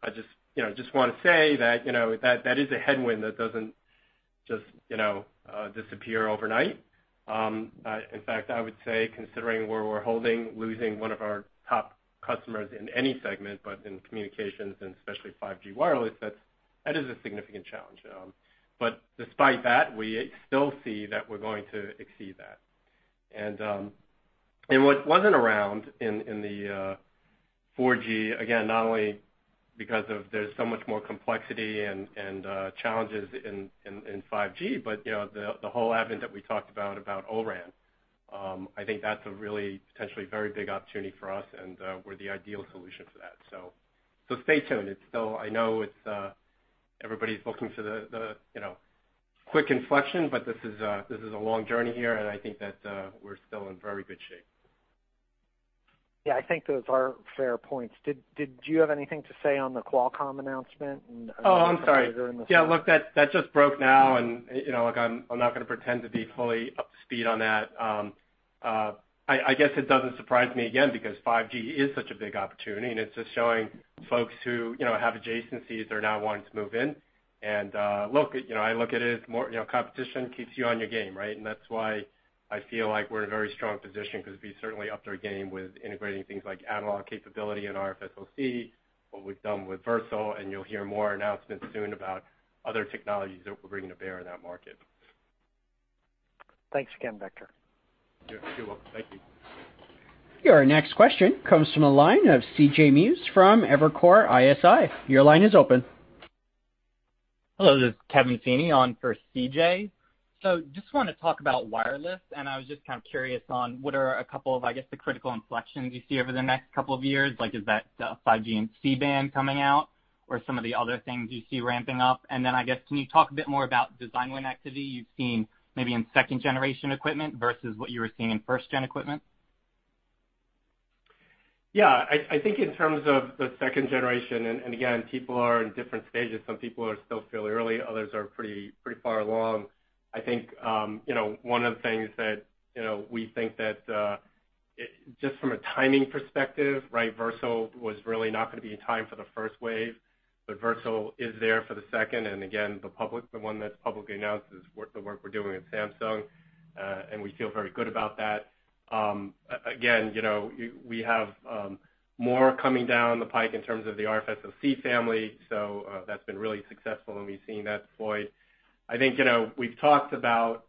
I just want to say that is a headwind that doesn't just disappear overnight. In fact, I would say considering where we're holding, losing one of our top customers in any segment, but in communications and especially 5G wireless, that is a significant challenge. Despite that, we still see that we're going to exceed that. What wasn't around in the 4G, again, not only because there's so much more complexity and challenges in 5G, but the whole advent that we talked about O-RAN, I think that's a really potentially very big opportunity for us, and we're the ideal solution for that. Stay tuned. I know everybody's looking for the quick inflection, but this is a long journey here, and I think that we're still in very good shape. I think those are fair points. Did you have anything to say on the Qualcomm announcement? Oh, I'm sorry. Yeah, look, that just broke now, and look, I'm not going to pretend to be fully up to speed on that. I guess it doesn't surprise me, again, because 5G is such a big opportunity, and it's just showing folks who have adjacencies are now wanting to move in. Look, I look at it as competition keeps you on your game, right? That's why I feel like we're in a very strong position because we certainly upped our game with integrating things like analog capability in our SoC, what we've done with Versal, and you'll hear more announcements soon about other technologies that we're bringing to bear in that market. Thanks again, Victor. You're welcome. Thank you. Your next question comes from the line of C.J. Muse from Evercore ISI. Your line is open. Hello, this is Kevin Feeney on for C.J. Just want to talk about wireless, and I was just kind of curious on what are a couple of, I guess, the critical inflections you see over the next couple of years? Is that the 5G C-band coming out or some of the other things you see ramping up? I guess, can you talk a bit more about design win activity you've seen maybe in second-generation equipment versus what you were seeing in first-gen equipment? I think in terms of the second generation, again, people are in different stages. Some people are still fairly early, others are pretty far along. I think one of the things that we think that, just from a timing perspective, right, Versal was really not going to be in time for the first wave, Versal is there for the second. Again, the one that's publicly announced is the work we're doing with Samsung, and we feel very good about that. Again, we have more coming down the pike in terms of the RFSoC family. That's been really successful, and we've seen that deployed. I think we've talked about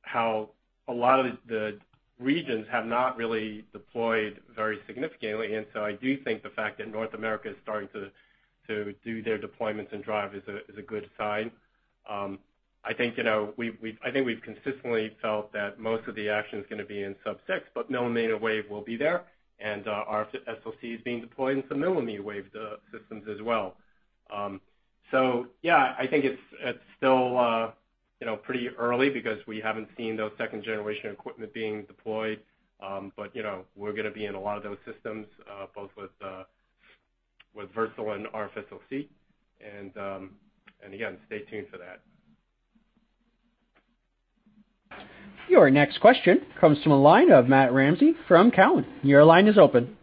how a lot of the regions have not really deployed very significantly. I do think the fact that North America is starting to do their deployments and drive is a good sign. I think we've consistently felt that most of the action's going to be in sub-6 GHz, but millimeter wave will be there, and our SoC is being deployed in some millimeter wave systems as well. Yeah, I think it's still pretty early because we haven't seen those second-generation equipment being deployed. We're going to be in a lot of those systems, both with Versal and RFSoC. Again, stay tuned for that. Your next question comes from the line of Matt Ramsay from Cowen. Your line is open.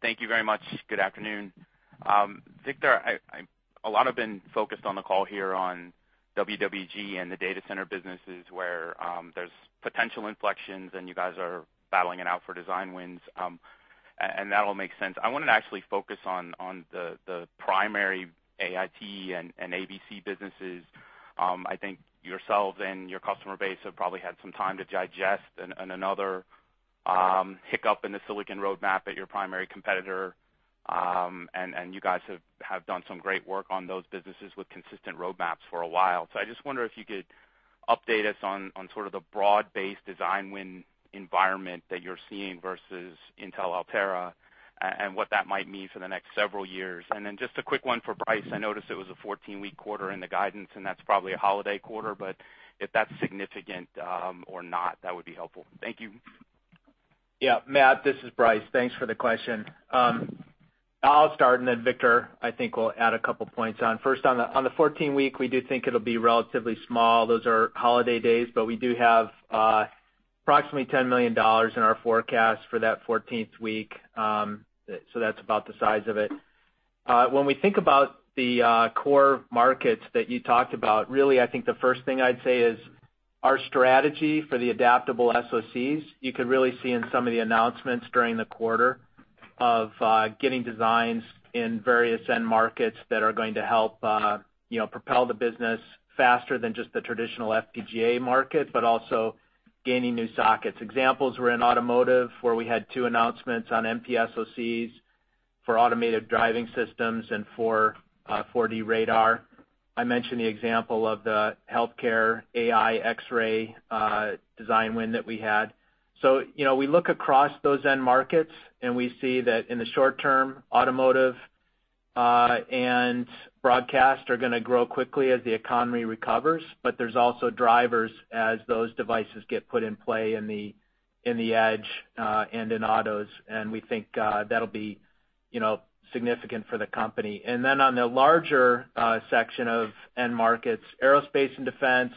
Thank you very much. Good afternoon. Victor, a lot have been focused on the call here on WWG and the data center businesses where there's potential inflections and you guys are battling it out for design wins, and that all makes sense. I wanted to actually focus on the primary AIT and ABC businesses. I think yourselves and your customer base have probably had some time to digest another hiccup in the silicon roadmap at your primary competitor. You guys have done some great work on those businesses with consistent roadmaps for a while. I just wonder if you could update us on sort of the broad-based design win environment that you're seeing versus Intel Altera and what that might mean for the next several years. Just a quick one for Brice. I noticed it was a 14-week quarter in the guidance, and that's probably a holiday quarter, but if that's significant or not, that would be helpful. Thank you. Yeah, Matt, this is Brice. Thanks for the question. I'll start, and then Victor, I think, will add a couple points on. First, on the 14-week, we do think it'll be relatively small. Those are holiday days, but we do have approximately $10 million in our forecast for that 14th week. That's about the size of it. When we think about the core markets that you talked about, really, I think the first thing I'd say is our strategy for the adaptable SoCs, you could really see in some of the announcements during the quarter of getting designs in various end markets that are going to help propel the business faster than just the traditional FPGA market, but also gaining new sockets. Examples were in automotive, where we had two announcements on MPSoCs for automated driving systems and for 4D radar. I mentioned the example of the healthcare AI X-ray design win that we had. We look across those end markets, and we see that in the short term, automotive and broadcast are going to grow quickly as the economy recovers. There's also drivers as those devices get put in play in the edge and in autos, and we think that'll be significant for the company. On the larger section of end markets, Aerospace & Defense,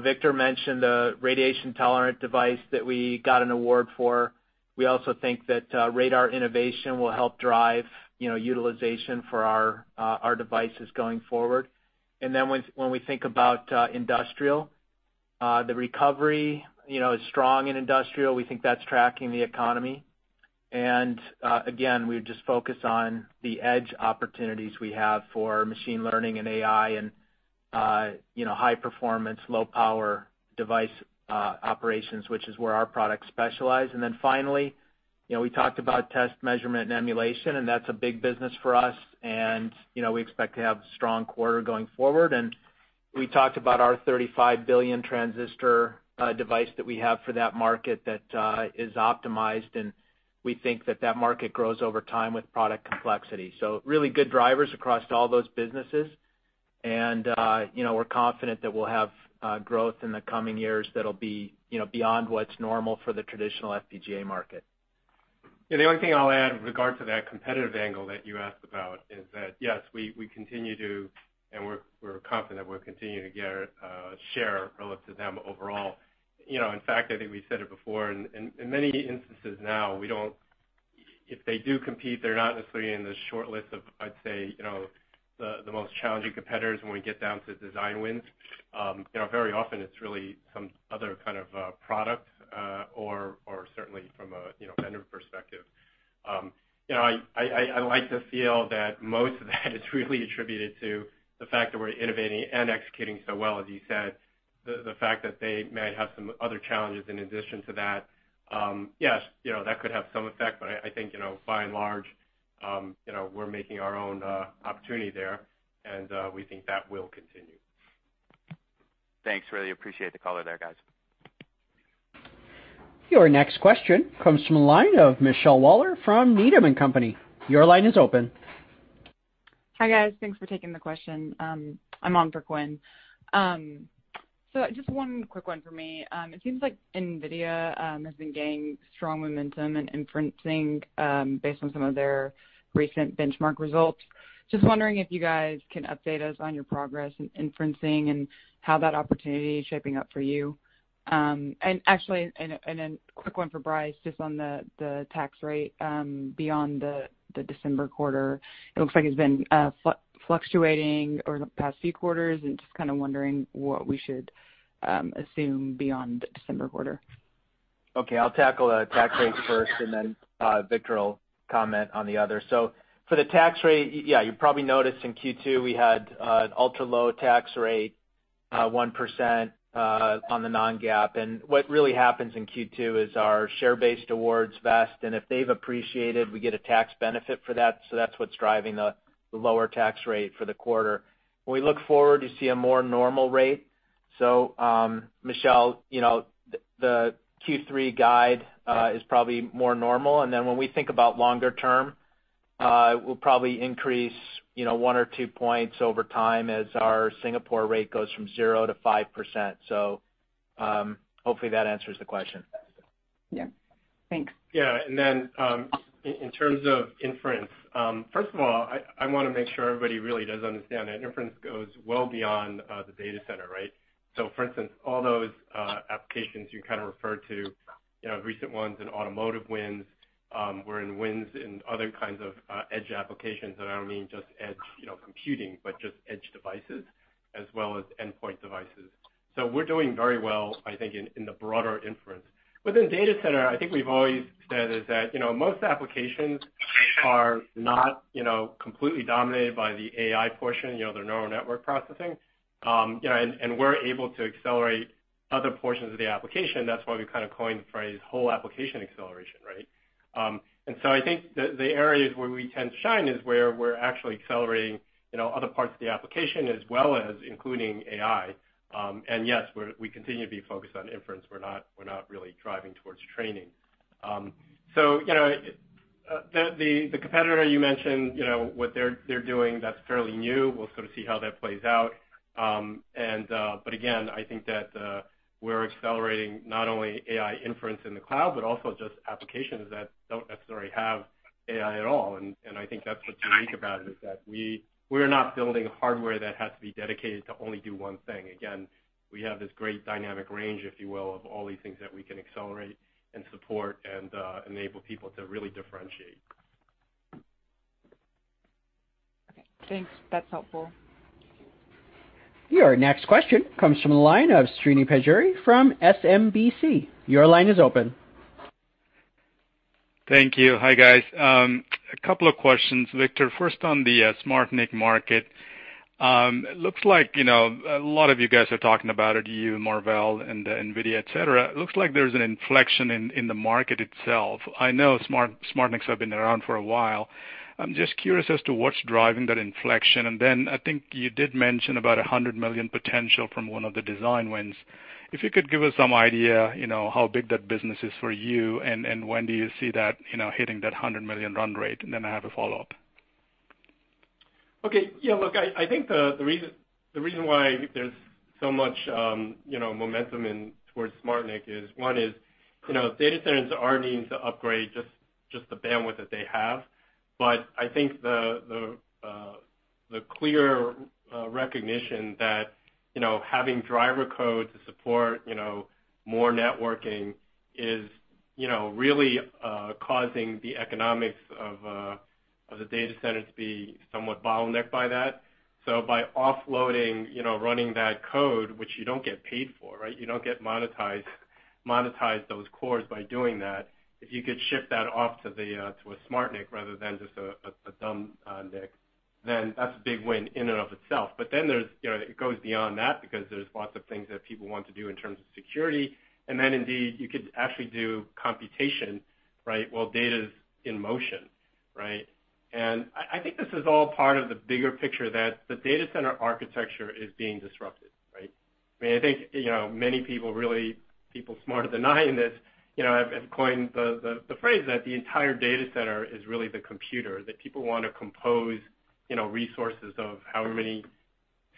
Victor mentioned the radiation-tolerant device that we got an award for. We also think that radar innovation will help drive utilization for our devices going forward. When we think about industrial, the recovery is strong in industrial. We think that's tracking the economy. Again, we just focus on the edge opportunities we have for machine learning and AI and high-performance, low-power device operations, which is where our products specialize. Finally, we talked about test measurement and emulation, and that's a big business for us. We expect to have a strong quarter going forward. We talked about our 35-billion transistor device that we have for that market that is optimized, and we think that that market grows over time with product complexity. Really good drivers across all those businesses. We're confident that we'll have growth in the coming years that'll be beyond what's normal for the traditional FPGA market. The only thing I'll add with regard to that competitive angle that you asked about is that, yes, we continue to, and we're confident we're continuing to get share relative to them overall. In fact, I think we said it before, in many instances now, if they do compete, they're not necessarily in the short list of, I'd say, the most challenging competitors when we get down to design wins. Very often it's really some other kind of product, or certainly from a vendor perspective. I like to feel that most of that is really attributed to the fact that we're innovating and executing so well, as you said. The fact that they may have some other challenges in addition to that, yes, that could have some effect, but I think by and large we're making our own opportunity there and we think that will continue. Thanks. Really appreciate the color there, guys. Your next question comes from the line of Michelle Waller from Needham & Company. Your line is open. Hi, guys. Thanks for taking the question. I'm on for Quinn. Just one quick one for me. It seems like NVIDIA has been gaining strong momentum in inferencing based on some of their recent benchmark results. Just wondering if you guys can update us on your progress in inferencing and how that opportunity is shaping up for you. Quick one for Brice, just on the tax rate beyond the December quarter. It looks like it's been fluctuating over the past few quarters and just kind of wondering what we should assume beyond the December quarter. Okay. I'll tackle the tax rates first and then Victor will comment on the other. For the tax rate, yeah, you probably noticed in Q2 we had an ultra-low tax rate, 1% on the non-GAAP. What really happens in Q2 is our share-based awards vest, and if they've appreciated, we get a tax benefit for that, so that's what's driving the lower tax rate for the quarter. When we look forward, you see a more normal rate. Michelle, the Q3 guide is probably more normal. When we think about longer term, it will probably increase one or two points over time as our Singapore rate goes from 0% to 5%. Hopefully, that answers the question. Yeah. Thanks. Yeah. In terms of inference, first of all, I want to make sure everybody really does understand that inference goes well beyond the data center, right? For instance, all those applications you referred to, recent ones in automotive wins, were in wins in other kinds of edge applications. I don't mean just edge computing, but just edge devices as well as endpoint devices. We're doing very well, I think, in the broader inference. Within data center, I think we've always said is that most applications are not completely dominated by the AI portion, their neural network processing. We're able to accelerate other portions of the application. That's why we've coined the phrase whole application acceleration, right? I think the areas where we tend to shine is where we're actually accelerating other parts of the application as well as including AI. Yes, we continue to be focused on inference. We're not really driving towards training. The competitor you mentioned, what they're doing, that's fairly new. We'll sort of see how that plays out. Again, I think that we're accelerating not only AI inference in the cloud, but also just applications that don't necessarily have AI at all. I think that's what's unique about it, is that we're not building hardware that has to be dedicated to only do one thing. Again, we have this great dynamic range, if you will, of all these things that we can accelerate and support and enable people to really differentiate. Okay. Thanks. That's helpful. Your next question comes from the line of Srini Pajjuri from SMBC. Your line is open. Thank you. Hi, guys. A couple of questions, Victor. First on the SmartNIC market. It looks like a lot of you guys are talking about it, you, Marvell, and NVIDIA, et cetera. It looks like there's an inflection in the market itself. I know SmartNICs have been around for a while. I'm just curious as to what's driving that inflection. I think you did mention about $100 million potential from one of the design wins. If you could give us some idea how big that business is for you and when do you see that hitting that $100 million run rate? I have a follow-up. Okay. Yeah, look, I think the reason why there's so much momentum towards SmartNIC is one is data centers are needing to upgrade just the bandwidth that they have. I think the clear recognition that having driver code to support more networking is really causing the economics of the data center to be somewhat bottlenecked by that. By offloading, running that code, which you don't get paid for, right? You don't get monetized those cores by doing that. If you could shift that off to a SmartNIC rather than just a dumb NIC, that's a big win in and of itself. It goes beyond that because there's lots of things that people want to do in terms of security. Indeed, you could actually do computation while data's in motion, right? I think this is all part of the bigger picture that the data center architecture is being disrupted, right? I think many people, really people smarter than I am, have coined the phrase that the entire data center is really the computer, that people want to compose resources of how many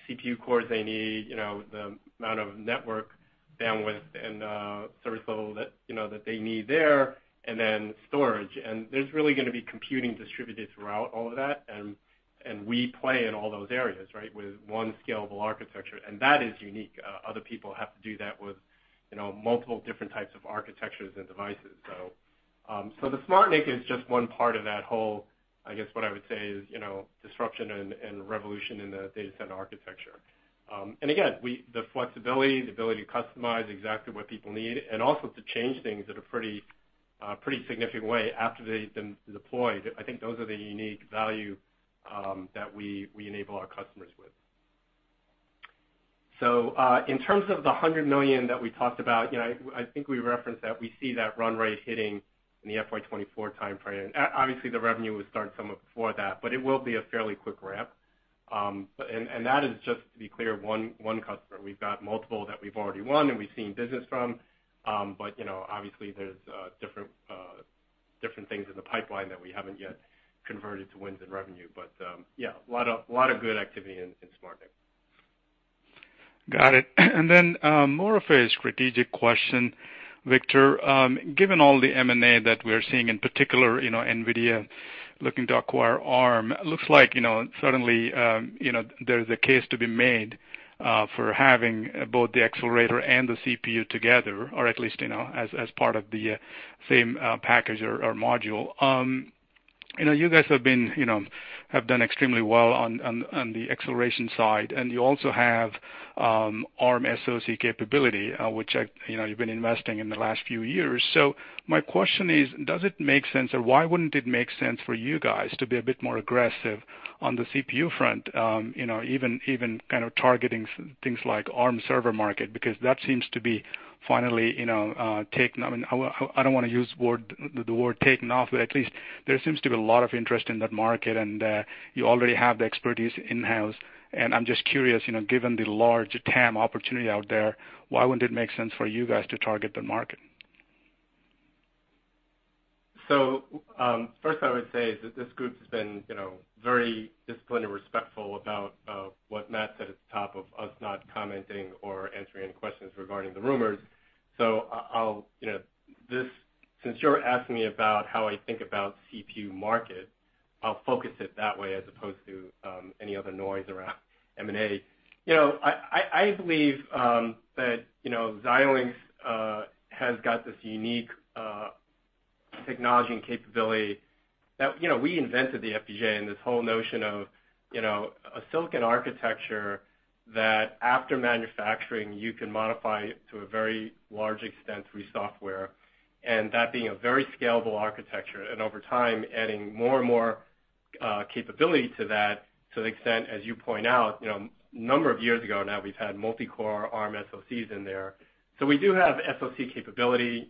CPU cores they need, the amount of network bandwidth and service level that they need there, and then storage. There's really going to be computing distributed throughout all of that, and we play in all those areas with one scalable architecture. That is unique. Other people have to do that with multiple different types of architectures and devices. So the SmartNIC is just one part of that whole, I guess what I would say is, disruption and revolution in the data center architecture. Again, the flexibility, the ability to customize exactly what people need and also to change things in a pretty significant way after they've been deployed, I think those are the unique value that we enable our customers with. In terms of the $100 million that we talked about, I think we referenced that we see that run rate hitting in the FY 2024 timeframe. Obviously, the revenue would start somewhat before that, but it will be a fairly quick ramp. That is just, to be clear, one customer. We've got multiple that we've already won and we've seen business from, but obviously there's different things in the pipeline that we haven't yet converted to wins and revenue. Yeah, a lot of good activity in SmartNIC. Got it. Then, more of a strategic question, Victor. Given all the M&A that we're seeing, in particular, NVIDIA looking to acquire Arm, looks like suddenly, there's a case to be made for having both the accelerator and the CPU together, or at least as part of the same package or module. You guys have done extremely well on the acceleration side, and you also have Arm SoC capability, which you've been investing in the last few years. My question is, does it make sense, or why wouldn't it make sense for you guys to be a bit more aggressive on the CPU front, even kind of targeting things like Arm server market? Because that seems to be finally taking, I don't want to use the word taking off, but at least there seems to be a lot of interest in that market, and you already have the expertise in-house. I'm just curious, given the large TAM opportunity out there, why wouldn't it make sense for you guys to target the market? First, I would say is that this group has been very disciplined and respectful about what Matt said at the top of us not commenting or answering questions regarding the rumors. Since you're asking me about how I think about CPU market, I'll focus it that way as opposed to any other noise around M&A. I believe that Xilinx has got this unique technology and capability that we invented the FPGA and this whole notion of a silicon architecture that after manufacturing, you can modify to a very large extent through software. That being a very scalable architecture, and over time, adding more and more capability to that, to the extent, as you point out, a number of years ago now, we've had multi-core Arm SoCs in there. We do have SoC capability.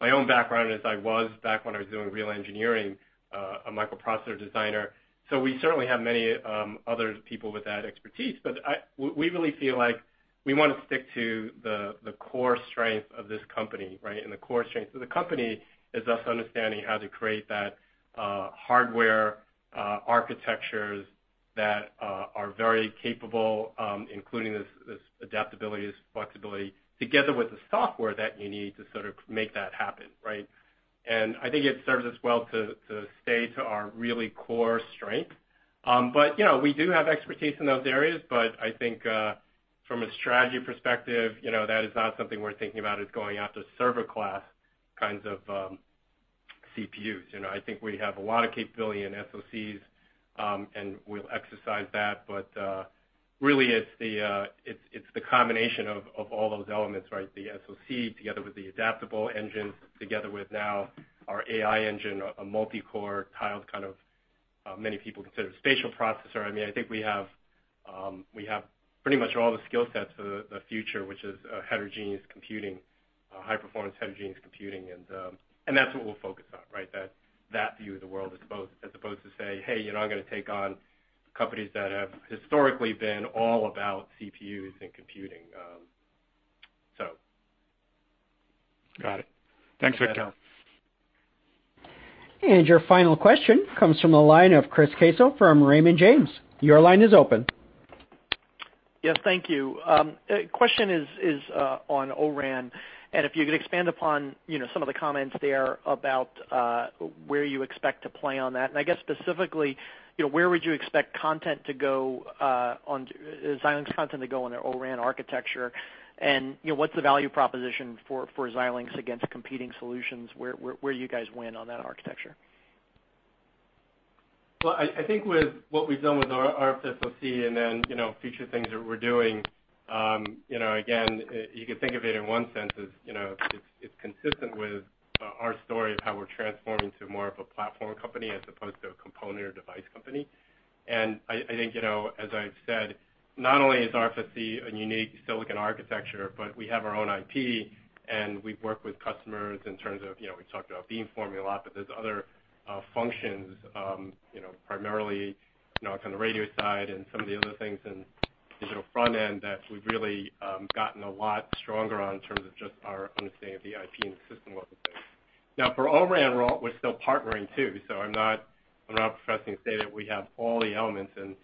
My own background is I was, back when I was doing real engineering, a microprocessor designer, so we certainly have many other people with that expertise. We really feel like we want to stick to the core strength of this company, right? The core strength of the company is us understanding how to create that hardware architectures that are very capable, including this adaptability, this flexibility together with the software that you need to sort of make that happen, right? I think it serves us well to stay to our really core strength. We do have expertise in those areas, but I think, from a strategy perspective, that is not something we're thinking about is going after server class kinds of CPUs. I think we have a lot of capability in SoCs, and we'll exercise that, but really it's the combination of all those elements, right? The SoC together with the adaptable engine, together with now our AI Engine, a multi-core tiled kind of, many people consider spatial processor. I think we have pretty much all the skill sets of the future, which is heterogeneous computing, high-performance heterogeneous computing, and that's what we'll focus on, right? That view of the world as opposed to say, "Hey, I'm going to take on companies that have historically been all about CPUs and computing." Got it. Thanks, Victor. Your final question comes from the line of Chris Caso from Raymond James. Your line is open. Yes, thank you. Question is on O-RAN, and if you could expand upon some of the comments there about where you expect to play on that. I guess specifically, where would you expect Xilinx content to go in their O-RAN architecture, and what's the value proposition for Xilinx against competing solutions? Where do you guys win on that architecture? Well, I think with what we've done with our SoC and then future things that we're doing, again, you could think of it in one sense as it's consistent with our story of how we're transforming to more of a platform company as opposed to a component or device company. I think, as I've said, not only is RFSoC a unique silicon architecture, but we have our own IP and we've worked with customers in terms of, we've talked about beamforming a lot, but there's other functions, primarily on the radio side and some of the other things in digital front end that we've really gotten a lot stronger on in terms of just our understanding of the IP and system level things. For O-RAN, we're still partnering too, so I'm not professing to say that we have all the elements and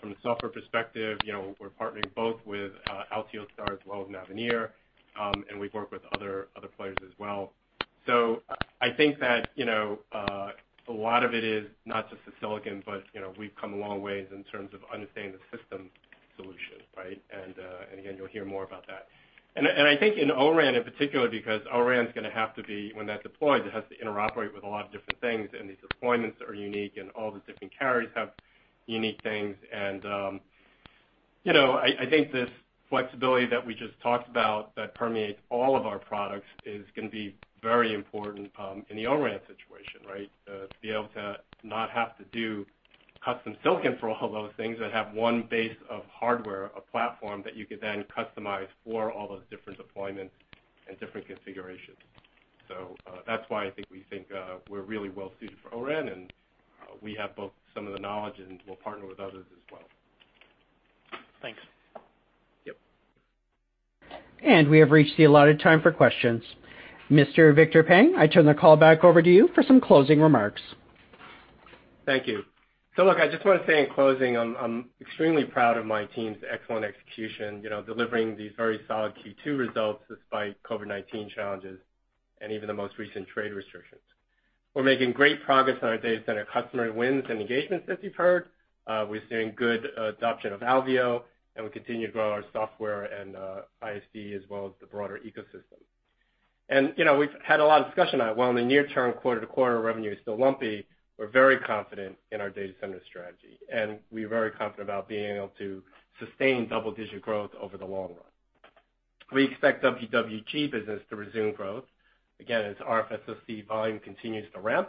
from a software perspective, we're partnering both with Altiostar as well as Mavenir, and we've worked with other players as well. I think that a lot of it is not just the silicon, but we've come a long ways in terms of understanding the system solution, right? Again, you'll hear more about that. And I think in O-RAN in particular, because O-RAN is going to have to be, when that deploys, it has to interoperate with a lot of different things, and these deployments are unique, and all the different carriers have unique things. I think this flexibility that we just talked about that permeates all of our products is going to be very important in the O-RAN situation, right? To be able to not have to do custom silicon for all of those things and have one base of hardware, a platform that you could then customize for all those different deployments and different configurations. That's why I think we think we're really well-suited for O-RAN, and we have both some of the knowledge and we'll partner with others as well. Thanks. Yep. We have reached the allotted time for questions. Mr. Victor Peng, I turn the call back over to you for some closing remarks. Thank you. Look, I just want to say in closing, I'm extremely proud of my team's excellent execution, delivering these very solid Q2 results despite COVID-19 challenges and even the most recent trade restrictions. We're making great progress on our data center customer wins and engagements, as you've heard. We're seeing good adoption of Alveo, and we continue to grow our software and ISV as well as the broader ecosystem. We've had a lot of discussion, while in the near term, quarter-to-quarter revenue is still lumpy, we're very confident in our data center strategy, and we're very confident about being able to sustain double-digit growth over the long run. We expect WWG business to resume growth, again, as RFSoC volume continues to ramp,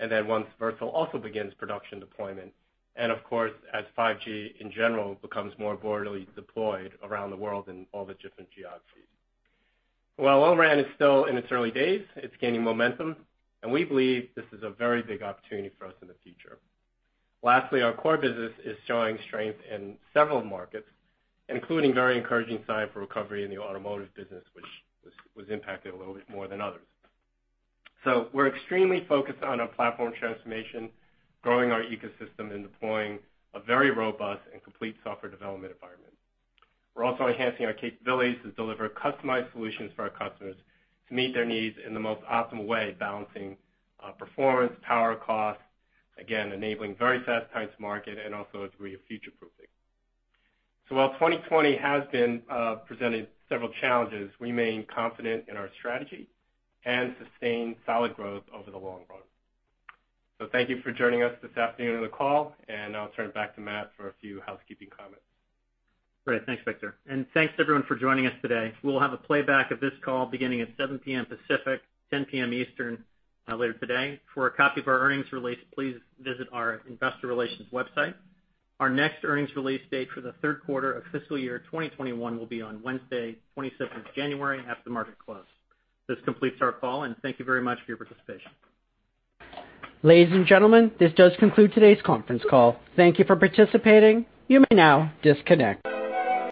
and then once Versal also begins production deployment, and of course, as 5G in general becomes more broadly deployed around the world in all the different geographies. While O-RAN is still in its early days, it's gaining momentum, and we believe this is a very big opportunity for us in the future. Lastly, our core business is showing strength in several markets, including very encouraging signs for recovery in the automotive business, which was impacted a little bit more than others. We're extremely focused on our platform transformation, growing our ecosystem, and deploying a very robust and complete software development environment. We're also enhancing our capabilities to deliver customized solutions for our customers to meet their needs in the most optimal way, balancing performance, power cost, again, enabling very fast time to market and also a degree of future-proofing. While 2020 has presented several challenges, we remain confident in our strategy and sustained solid growth over the long run. Thank you for joining us this afternoon on the call, and I'll turn it back to Matt for a few housekeeping comments. Great. Thanks, Victor. Thanks, everyone, for joining us today. We will have a playback of this call beginning at 7:00 P.M. Pacific, 10:00 P.M. Eastern later today. For a copy of our earnings release, please visit our investor relations website. Our next earnings release date for the third quarter of fiscal year 2021 will be on Wednesday, 26th of January after the market close. This completes our call, and thank you very much for your participation. Ladies and gentlemen, this does conclude today's conference call. Thank you for participating. You may now disconnect.